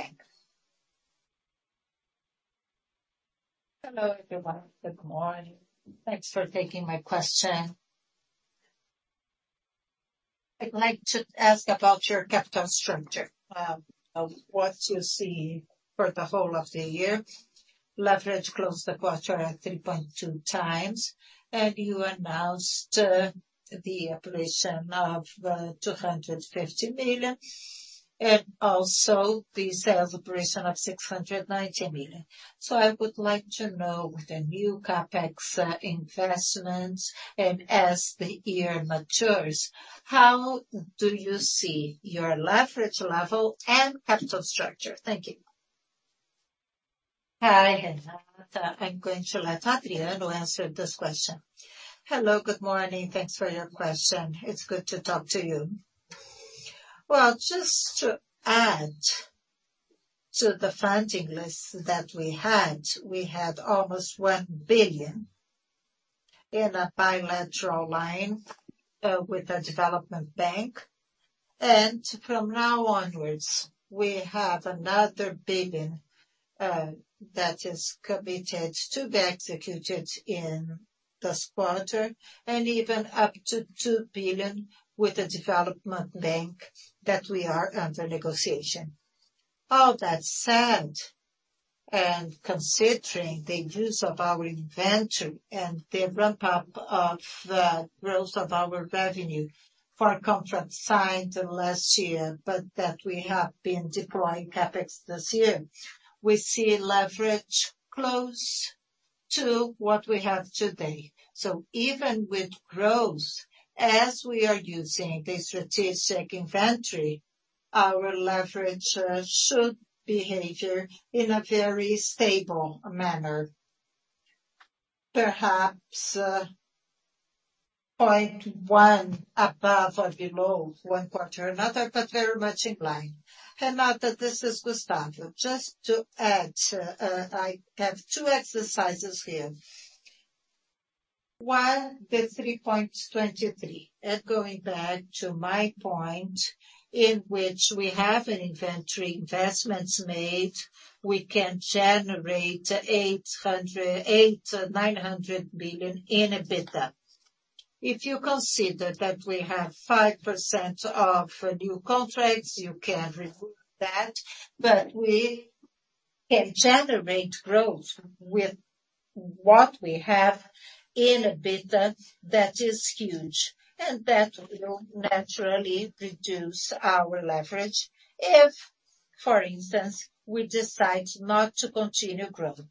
Hello everyone. Good morning. Thanks for taking my question. I'd like to ask about your capital structure. What you see for the whole of the year. Leverage closed the quarter at 3.2x and you announced the abolition of 250 million and also the sales operation of 690 million. I would like to know with the new CapEx investments and as the year matures, how do you see your leverage level and capital structure? Thank you. Hi, Renata. I'm going to let Adriano answer this question. Hello, good morning. Thanks for your question. It's good to talk to you. Just to add to the funding list that we had, we had almost 1 billion in a bilateral line with a development bank. From now onwards we have another 1 billion that is committed to be executed in this quarter and even up to 2 billion with the development bank that we are under negotiation. All that said, considering the use of our inventory and the ramp up of the growth of our revenue for a contract signed last year but that we have been deploying CapEx this year, we see leverage close to what we have today. Even with growth, as we are using the strategic inventory, our leverage should behavior in a very stable manner. Perhaps, 0.1 above or below one quarter another, but very much in line. Renata, this is Gustavo. Just to add, I have two exercises here. One, the 3.23. Going back to my point in which we have an inventory investments made, we can generate 800 million or 900 million in EBITDA. If you consider that we have 5% of new contracts, you can remove that, but we can generate growth with what we have in EBITDA that is huge, and that will naturally reduce our leverage if, for instance, we decide not to continue growing.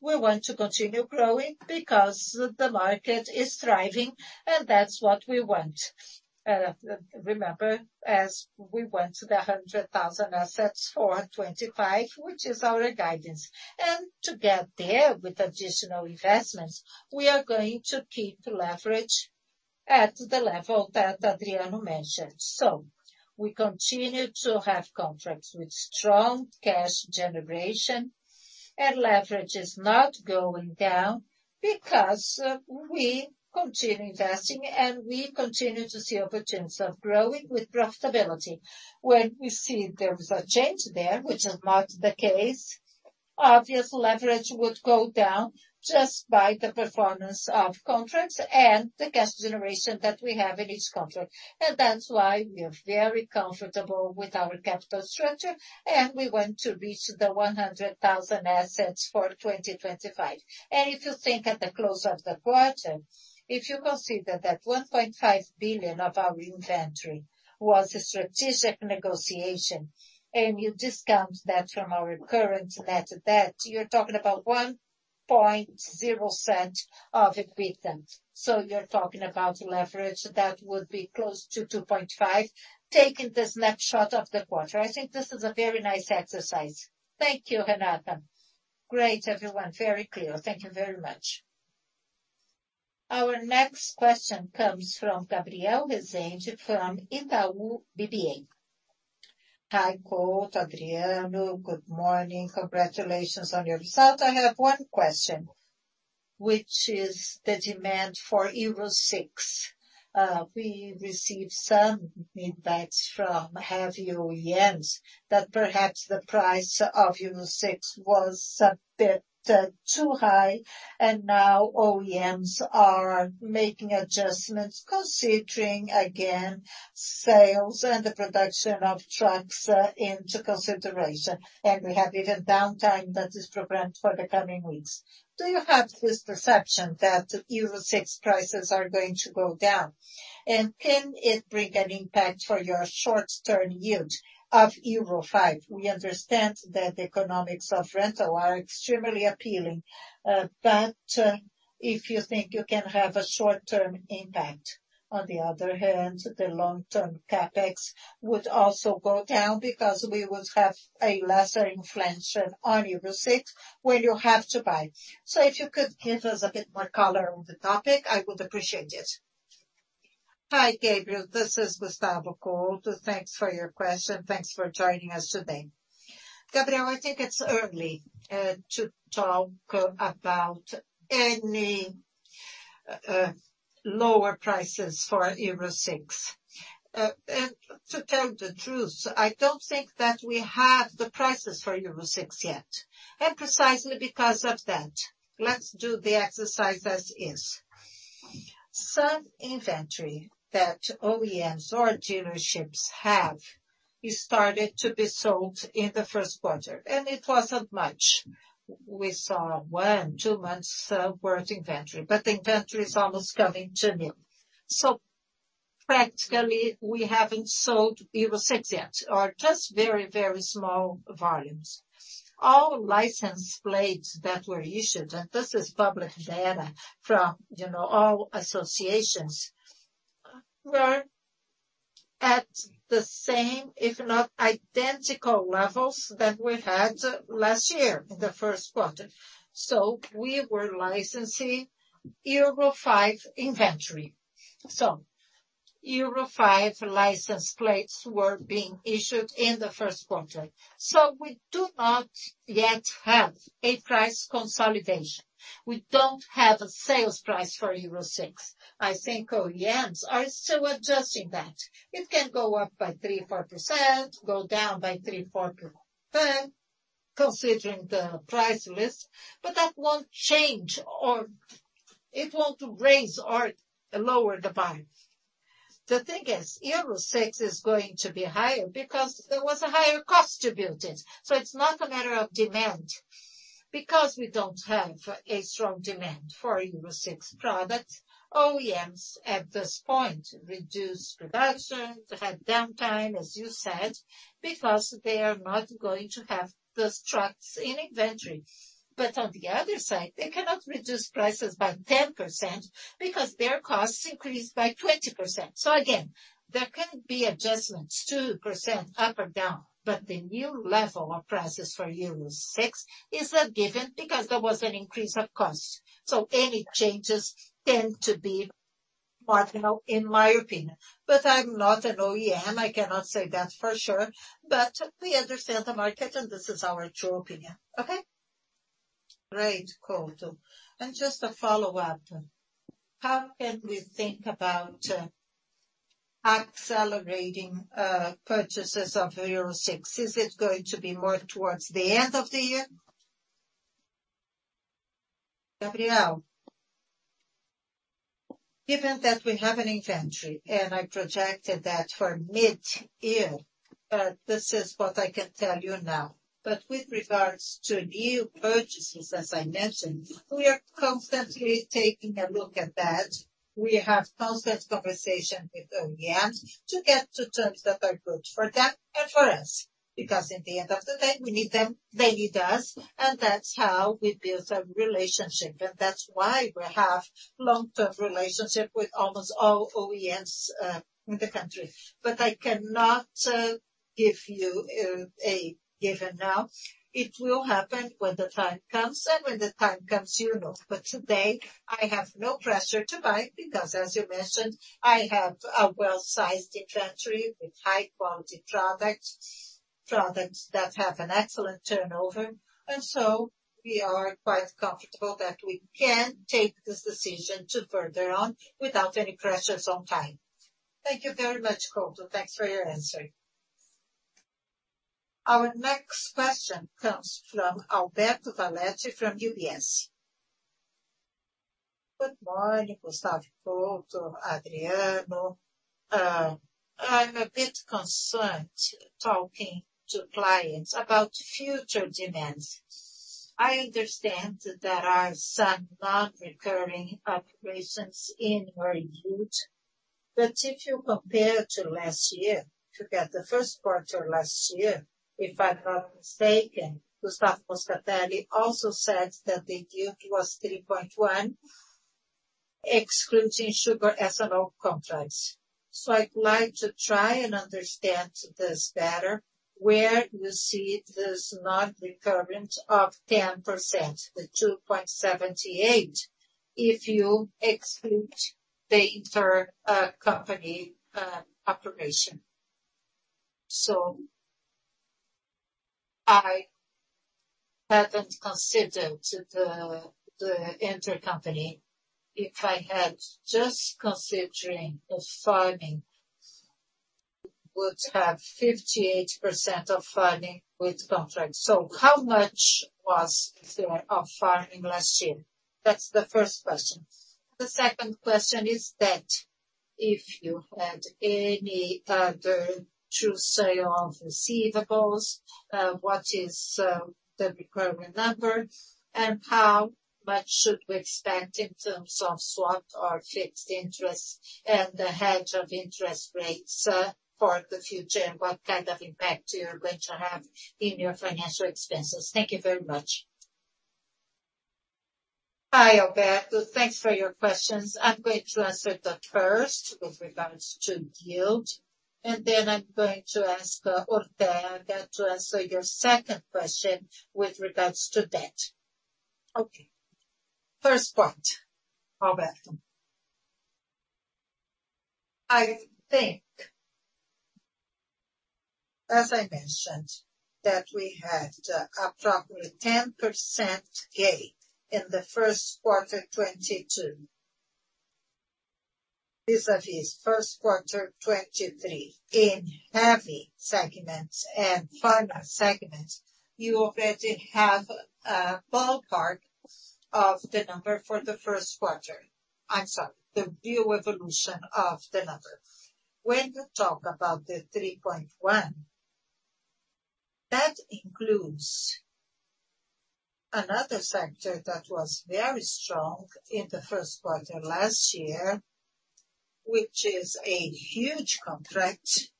We want to continue growing because the market is thriving, and that's what we want. Remember, as we went to the 100,000 assets for 2025, which is our guidance. To get there with additional investments, we are going to keep leverage at the level that Adriano Ortega mentioned. We continue to have contracts with strong cash generation and leverage is not going down because we continue investing and we continue to see opportunities of growing with profitability. When we see there is a change there, which is not the case, obvious leverage would go down just by the performance of contracts and the cash generation that we have in each contract. That's why we are very comfortable with our capital structure, and we want to reach the 100,000 assets for 2025. If you think at the close of the quarter, if you consider that 1.5 billion of our inventory was a strategic negotiation, and you discount that from our current net debt, you're talking about 1.0% of EBITDA. You're talking about leverage that would be close to 2.5, taking the snapshot of the quarter. I think this is a very nice exercise. Thank you, Renata. Great, everyone. Very clear. Thank you very much. Our next question comes from Gabriel Rezende from Itaú BBA. Hi, Couto, Adriano. Good morning. Congratulations on your result. I have one question, which is the demand for Euro 6. We received some impacts from heavy OEMs that perhaps the price of Euro 6 was a bit too high, and now OEMs are making adjustments considering again sales and the production of trucks into consideration. We have even downtime that is programmed for the coming weeks. Do you have this perception that Euro 6 prices are going to go down? Can it bring an impact for your short-term yield of Euro 5? We understand that the economics of rental are extremely appealing, but if you think you can have a short-term impact. On the other hand, the long-term CapEx would also go down because we would have a lesser inflation on Euro 6 when you have to buy. If you could give us a bit more color on the topic, I would appreciate it. Hi, Gabriel. This is Gustavo Couto. Thanks for your question. Thanks for joining us today. Gabriel, I think it's early to talk about any lower prices for Euro VI. And to tell the truth, I don't think that we have the prices for Euro VI yet. Precisely because of that, let's do the exercise as is. Some inventory that OEMs or dealerships have started to be sold in the 1st quarter, and it wasn't much. We saw 1, 2 months' worth inventory, but inventory is almost coming to nil. Practically, we haven't sold Euro VI yet, or just very, very small volumes. All license plates that were issued, and this is public data from, you know, all associations, were at the same, if not identical levels that we had last year in the 1st quarter. We were licensing Euro 5 inventory. Euro 5 license plates were being issued in the 1st quarter. We do not yet have a price consolidation. We don't have a sales price for Euro 6. I think OEMs are still adjusting that. It can go up by 3%, 4%, go down by 3%, 4% considering the price list, but that won't change or it won't raise or lower the bar. The thing is Euro 6 is going to be higher because there was a higher cost to build it. It's not a matter of demand because we don't have a strong demand for Euro 6 products. OEMs at this point reduce production to have downtime, as you said, because they are not going to have those trucks in inventory. On the other side, they cannot reduce prices by 10% because their costs increased by 20%. Again, there can be adjustments, 2% up or down, but the new level of prices for Euro VI is a given because there was an increase of costs. Any changes tend to be marginal, in my opinion. I'm not an OEM, I cannot say that for sure. We understand the market and this is our true opinion. Okay? Great, Couto. Just a follow-up. How can we think about accelerating purchases of Euro VI? Is it going to be more towards the end of the year? Gabriel, given that we have an inventory, and I projected that for mid-year, this is what I can tell you now. With regards to new purchases, as I mentioned, we are constantly taking a look at that. We have constant conversation with OEMs to get to terms that are good for them and for us, because at the end of the day, we need them, they need us, and that's how we build a relationship. That's why we have long-term relationship with almost all OEMs in the country. I cannot give you a given now. It will happen when the time comes, and when the time comes, you will know. Today, I have no pressure to buy because as you mentioned, I have a well-sized inventory with high quality products that have an excellent turnover. We are quite comfortable that we can take this decision to further on without any pressures on time. Thank you very much, Couto. Thanks for your answer. Our next question comes from Alberto Valerio from UBS. Good morning, Gustavo Couto, Adriano Ortega. I'm a bit concerned talking to clients about future demands. I understand that there are some non-recurring operations in your yield. If you compare to last year, if you get the 1st quarter last year, if I'm not mistaken, Gustavo Moscatelli also said that the yield was 3.1, excluding sugar ethanol contracts. I'd like to try and understand this better, where you see this non-recurrent of 10%, the 2.78, if you exclude the intercompany operation. I haven't considered the intercompany. If I had just considering the farming, would have 58% of farming with contracts. How much was there of farming last year? That's the 1st question. The 2nd question is that if you had any other true sale of receivables, what is the recurrent number? How much should we expect in terms of swap or fixed interest and the hedge of interest rates for the future? What kind of impact you're going to have in your financial expenses? Thank you very much. Hi, Alberto. Thanks for your questions. I'm going to answer the 1st with regards to yield, and then I'm going to ask Ortega to answer your 2nd question with regards to debt. Okay. First point, Alberto. I think, as I mentioned, that we had approximately 10% gain in the 1st quarter 2022. Vis-à-vis 1st quarter 2023. In heavy segments and farmer segments, you already have a ballpark of the number for the 1st quarter. I'm sorry, the real evolution of the number. When you talk about the 3.1, that includes another sector that was very strong in the 1st quarter last year, which is a huge contract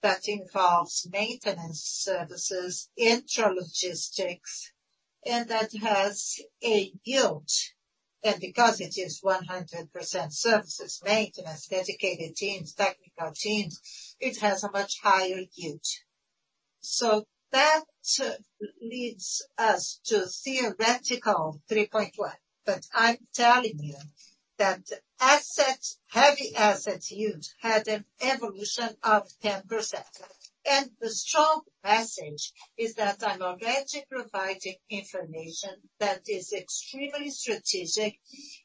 that involves maintenance services, intralogistics, and that has a yield. Because it is 100% services, maintenance, dedicated teams, technical teams, it has a much higher yield. That leads us to theoretical 3.1%. I'm telling you that assets, heavy assets yield had an evolution of 10%. The strong message is that I'm already providing information that is extremely strategic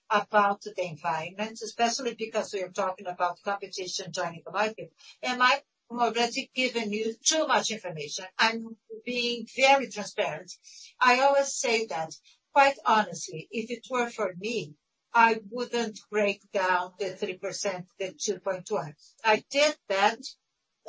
about the environment, especially because we are talking about competition joining the market. Am I already giving you too much information? I'm being very transparent. I always say that quite honestly, if it were for me, I wouldn't break down the 3%, the 2.1%. I did that,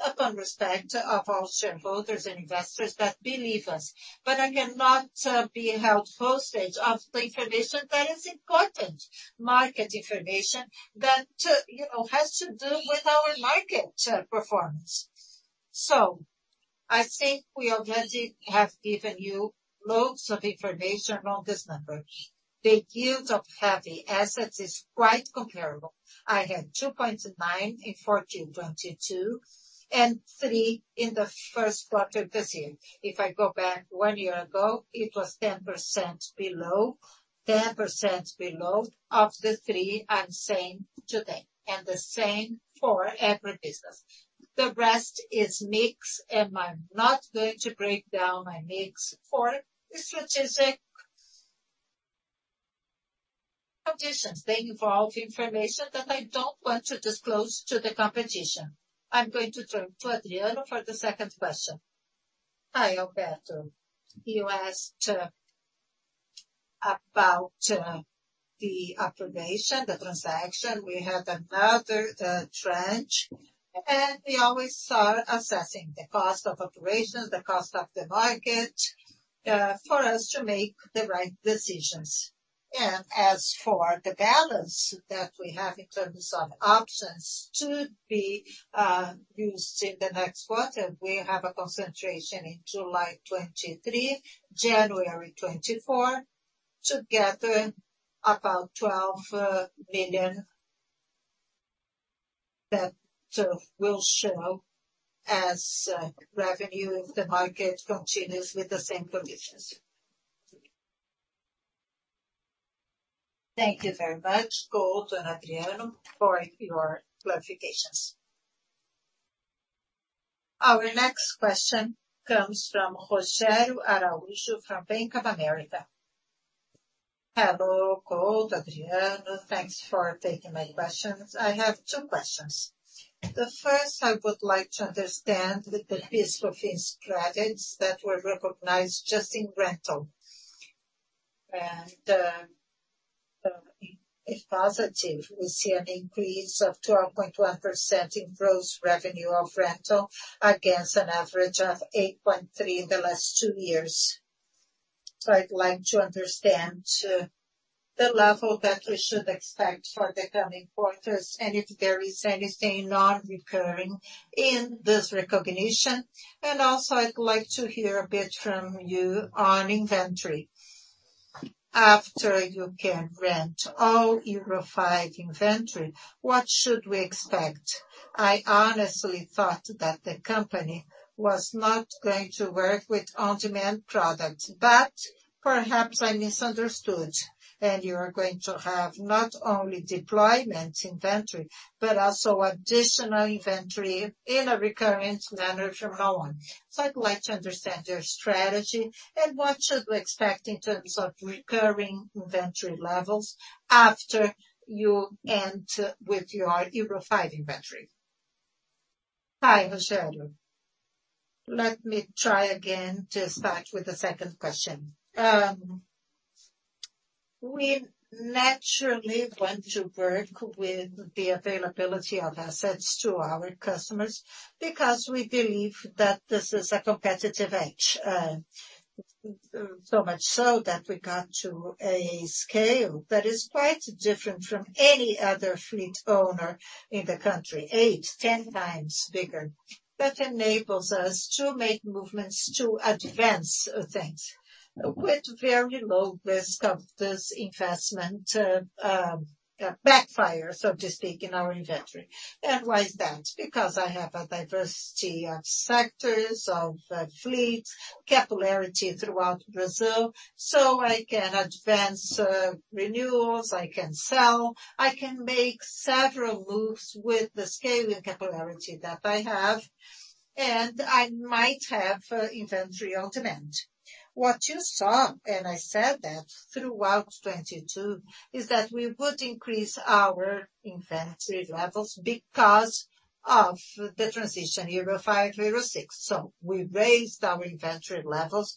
upon respect of all shareholders and investors that believe us. I cannot be held hostage of the information that is important, market information that, you know, has to do with our market performance. I think we already have given you loads of information on this number. The yield of heavy assets is quite comparable. I had 2.9% in 2022, and 3% in the 1st quarter of this year. If I go back one year ago, it was 10% below of the 3% I'm saying today, and the same for every business. The rest is mix, I'm not going to break down my mix for strategic conditions. They involve information that I don't want to disclose to the competition. I'm going to turn to Adriano for the 2nd question. Hi, Alberto. You asked about the operation, the transaction. We have another trench, we always are assessing the cost of operations, the cost of the market, for us to make the right decisions. As for the balance that we have in terms of options to be used in the next quarter, we have a concentration in July 2023, January 2024, together about BRL 12 billion that will show as revenue if the market continues with the same conditions. Thank you very much, Couto to Adriano for your clarifications. Our next question comes from Rogério Araújo from Bank of America. Hello, Couto, Adriano, thanks for taking my questions. I have 2 questions. The 1st I would like to understand the piece of strategies that were recognized just in rental. If positive, we see an increase of 12.1% in gross revenue of rental against an average of 8.3% the last two years. I'd like to understand the level that we should expect for the coming quarters, and if there is anything non-recurring in this recognition. Also, I'd like to hear a bit from you on inventory. After you can rent all Euro V inventory, what should we expect? I honestly thought that the company was not going to work with on-demand products, but perhaps I misunderstood, and you are going to have not only deployment inventory, but also additional inventory in a recurring manner from now on. I'd like to understand your strategy and what should we expect in terms of recurring inventory levels after you end with your Euro V inventory. Hi, Rogério. Let me try again to start with the 2nd question. We naturally want to work with the availability of assets to our customers because we believe that this is a competitive edge. So much so that we got to a scale that is quite different from any other fleet owner in the country, 8, 10 times bigger. That enables us to make movements to advance things with very low risk of this investment backfire, so to speak, in our inventory. Why is that? I have a diversity of sectors, of fleets, capillarity throughout Brazil, I can advance renewals, I can sell, I can make several moves with the scaling capillarity that I have, and I might have inventory on demand. What you saw, I said that throughout 2022, is that we would increase our inventory levels because of the transition Euro V, Euro VI. We raised our inventory levels.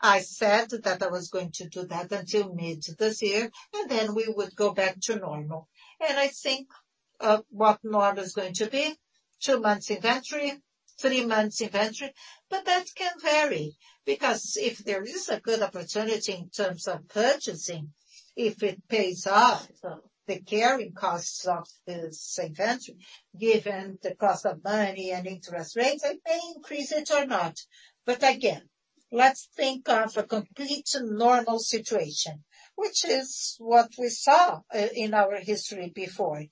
I said that I was going to do that until mid this year, we would go back to normal. I think what normal is going to be, 2 months inventory, 3 months inventory. That can vary, because if there is a good opportunity in terms of purchasing, if it pays off, the carrying costs of this inventory, given the cost of money and interest rates, I may increase it or not. Again, let's think of a complete normal situation, which is what we saw, in our history before.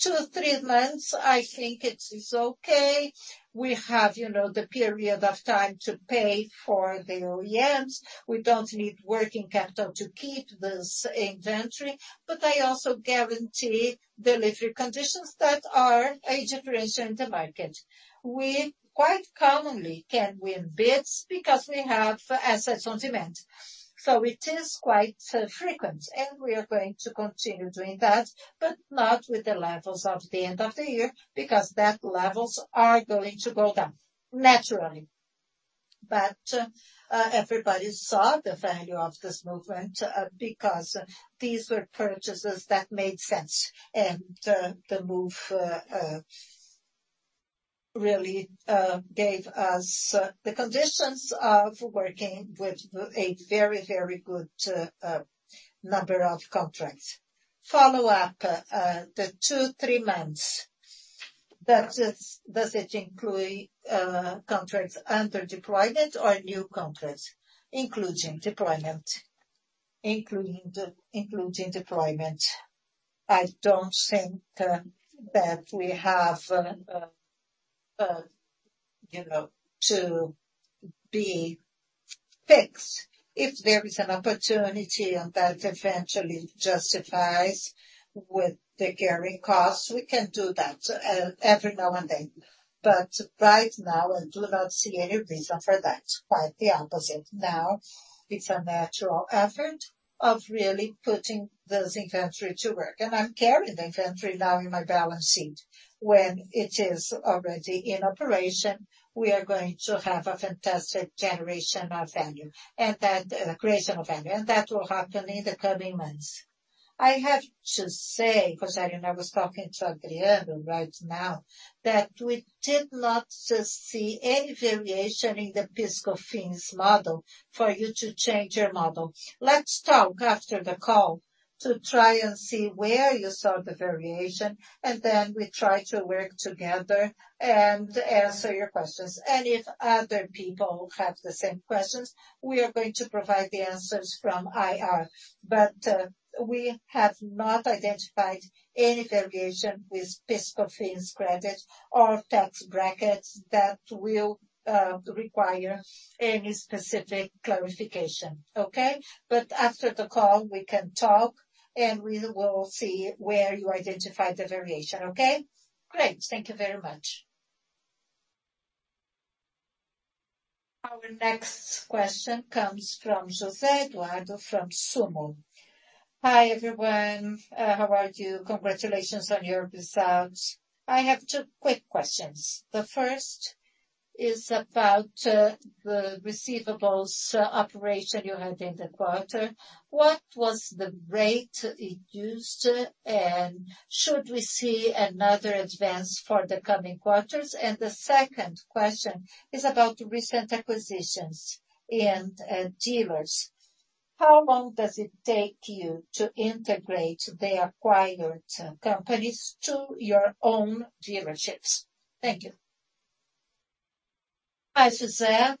Two, three months, I think it is okay. We have, you know, the period of time to pay for the OEMs. We don't need working capital to keep this inventory. I also guarantee delivery conditions that are a differentiation in the market. We quite commonly can win bids because we have assets on demand. It is quite frequent, and we are going to continue doing that, but not with the levels of the end of the year, because that levels are going to go down naturally. Everybody saw the value of this movement, because these were purchases that made sense. The move, really, gave us the conditions of working with a very, very good, number of contracts. Follow up, the 2, 3 months. Does it include, contracts under deployment or new contracts including deployment? Including deployment. I don't think that we have, you know, to be fixed. If there is an opportunity and that eventually justifies with the carrying costs, we can do that every now and then. Right now, I do not see any reason for that. Quite the opposite. Now it's a natural effort of really putting this inventory to work, and I'm carrying the inventory now in my balance sheet. When it is already in operation, we are going to have a fantastic generation of value and that creation of value, and that will happen in the coming months. I have to say, because I know I was talking to Adriano right now, that we did not see any variation in the PIS/Cofins model for you to change your model. Let's talk after the call to try and see where you saw the variation, and then we try to work together and answer your questions. If other people have the same questions, we are going to provide the answers from IR. We have not identified any variation with PIS/Cofins credit or tax brackets that will require any specific clarification. Okay? After the call we can talk and we will see where you identified the variation. Okay? Great. Thank you very much. Our next question comes from Jose Eduardo from Suno. Hi, everyone. How are you? Congratulations on your results. I have two quick questions. The 1st is about the receivables operation you had in the quarter. What was the rate it used? Should we see another advance for the coming quarters? The 2nd question is about recent acquisitions and dealers. How long does it take you to integrate the acquired companies to your own dealerships? Thank you. Hi, Jose Eduardo.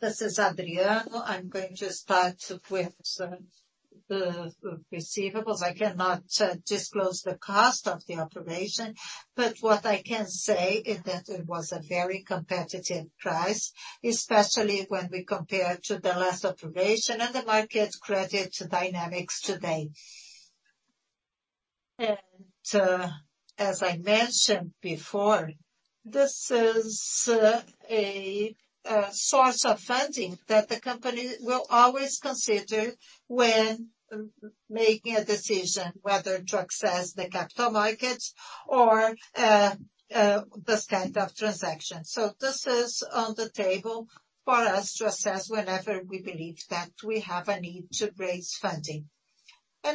This is Adriano Ortega. I'm going to start with the receivables. I cannot disclose the cost of the operation, but what I can say is that it was a very competitive price, especially when we compare to the last operation and the market credit dynamics today. As I mentioned before, this is a source of funding that the company will always consider when making a decision whether to access the capital markets or this kind of transaction. This is on the table for us to assess whenever we believe that we have a need to raise funding.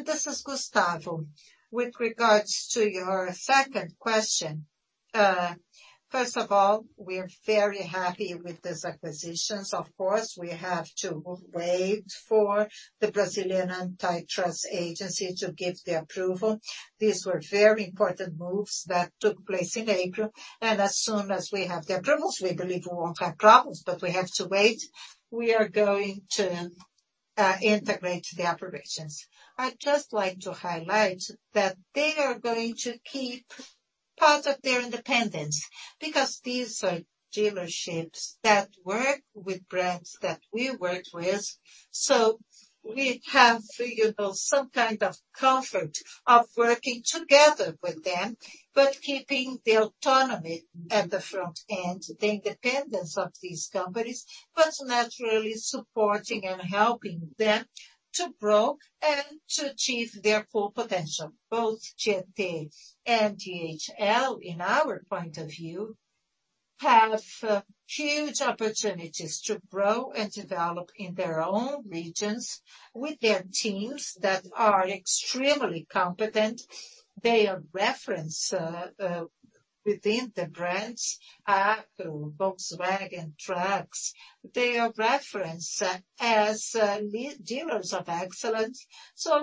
This is Gustavo. With regards to your 2nd question, 1st of all, we're very happy with these acquisitions. Of course, we have to wait for the Brazilian Antitrust Agency to give the approval. These were very important moves that took place in April. As soon as we have the approvals, we believe we won't have problems, we have to wait. We are going to integrate the operations. I'd just like to highlight that they are going to keep part of their independence because these are dealerships that work with brands that we work with. We have, you know, some kind of comfort of working together with them, but keeping the autonomy at the front end, the independence of these companies, but naturally supporting and helping them to grow and to achieve their full potential. Both GNT and GHL, in our point of view, have huge opportunities to grow and develop in their own regions with their teams that are extremely competent. They are reference within the brands, Volkswagen Trucks. They are reference as dealers of excellence.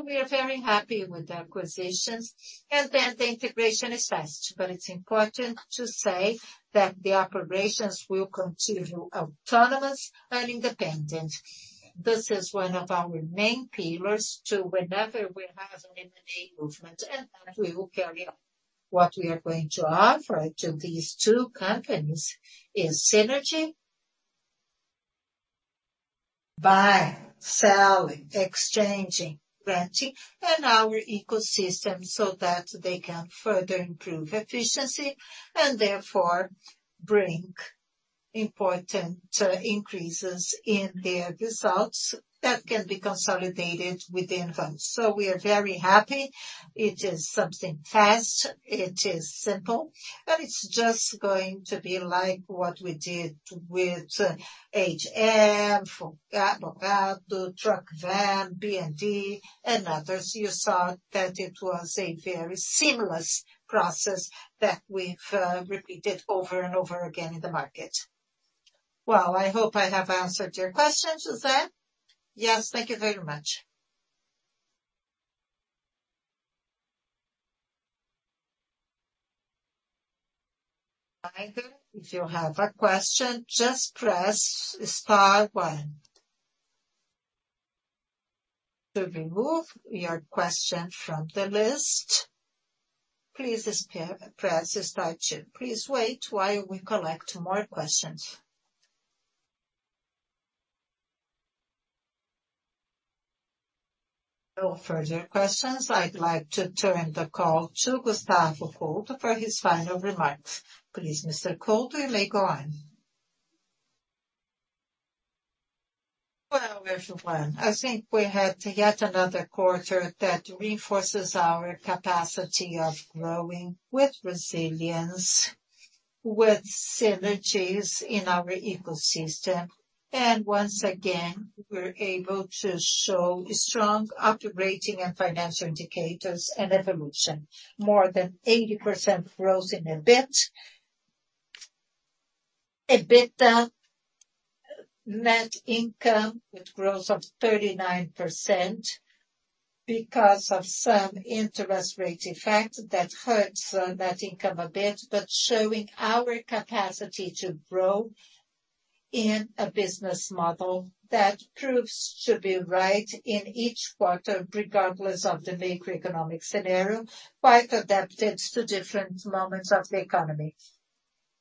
We are very happy with the acquisitions. The integration is fast. It's important to say that the operations will continue autonomous and independent. This is one of our main pillars to whenever we have an M&A movement, and that we will carry on. What we are going to offer to these two companies is synergy by selling, exchanging, renting and our ecosystem so that they can further improve efficiency and therefore bring important increases in their results that can be consolidated within months. We are very happy. It is something fast, it is simple, and it's just going to be like what we did with HM, Morado, Truckvan, BND, and others. You saw that it was a very seamless process that we've repeate [over and over again in the market. I hope I have answered your question. Is that... Yes. Thank you very much. Either if you have a question, just press star one. To remove your question from the list, please press star two. Please wait while we collect more questions. No further questions. I'd like to turn the call to Gustavo Couto for his final remarks. Please, Mr. Couto, you may go on. Well, everyone, I think we had yet another quarter that reinforces our capacity of growing with resilience, with synergies in our ecosystem. Once again, we're able to show strong operating and financial indicators and evolution. More than 80% growth in EBIT. EBITDA, net income with growth of 39% because of some interest rate effect that hurts that income a bit, but showing our capacity to grow in a business model that proves to be right in each quarter, regardless of the macroeconomic scenario, quite adapted to different moments of the economy.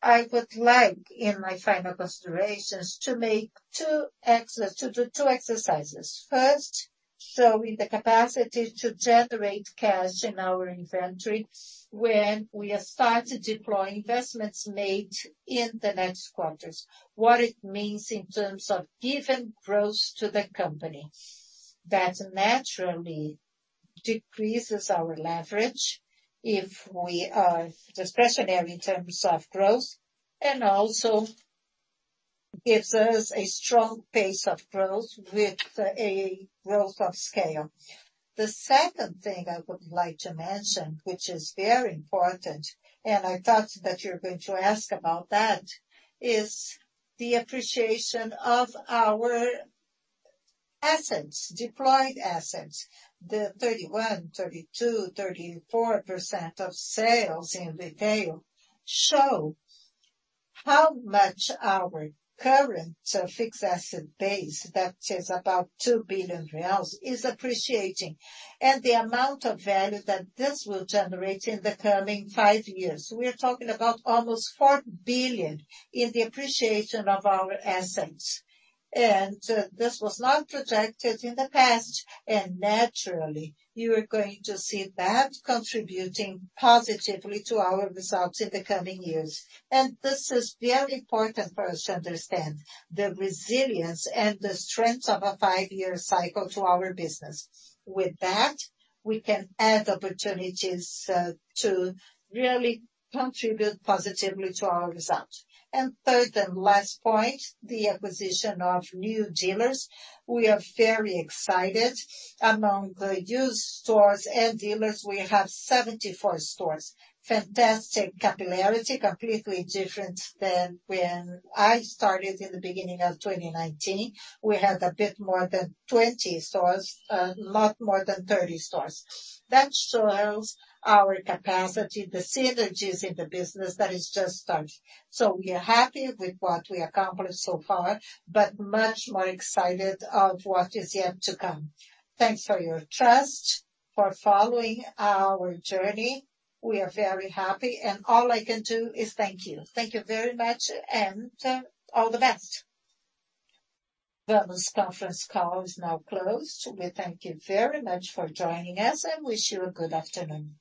I would like, in my final considerations, to do two exercises. First, showing the capacity to generate cash in our inventory when we have started deploying investments made in the next quarters. What it means in terms of giving growth to the company. That naturally decreases our leverage if we are discretionary in terms of growth, also gives us a strong pace of growth with a growth of scale. The 2nd thing I would like to mention, which is very important, I thought that you're going to ask about that, is the appreciation of our assets, deployed assets. The 31%, 32%, 34% of sales in retail show how much our current fixed asset base, that is about 2 billion reais, is appreciating. The amount of value that this will generate in the coming five years. We're talking about almost 4 billion in the appreciation of our assets. This was not projected in the past. Naturally you are going to see that contributing positively to our results in the coming years. This is very important for us to understand the resilience and the strength of a five-year cycle to our business. With that, we can add opportunities to really contribute positively to our results. Third and last point, the acquisition of new dealers. We are very excited. Among the used stores and dealers, we have 74 stores. Fantastic capillarity, completely different than when I started in the beginning of 2019. We had a bit more than 20 stores, lot more than 30 stores. That shows our capacity, the synergies in the business that is just starting. We are happy with what we accomplished so far, but much more excited of what is yet to come. Thanks for your trust, for following our journey. We are very happy and all I can do is thank you. Thank you very much and all the best. The conference call is now closed. We thank you very much for joining us and wish you a good afternoon.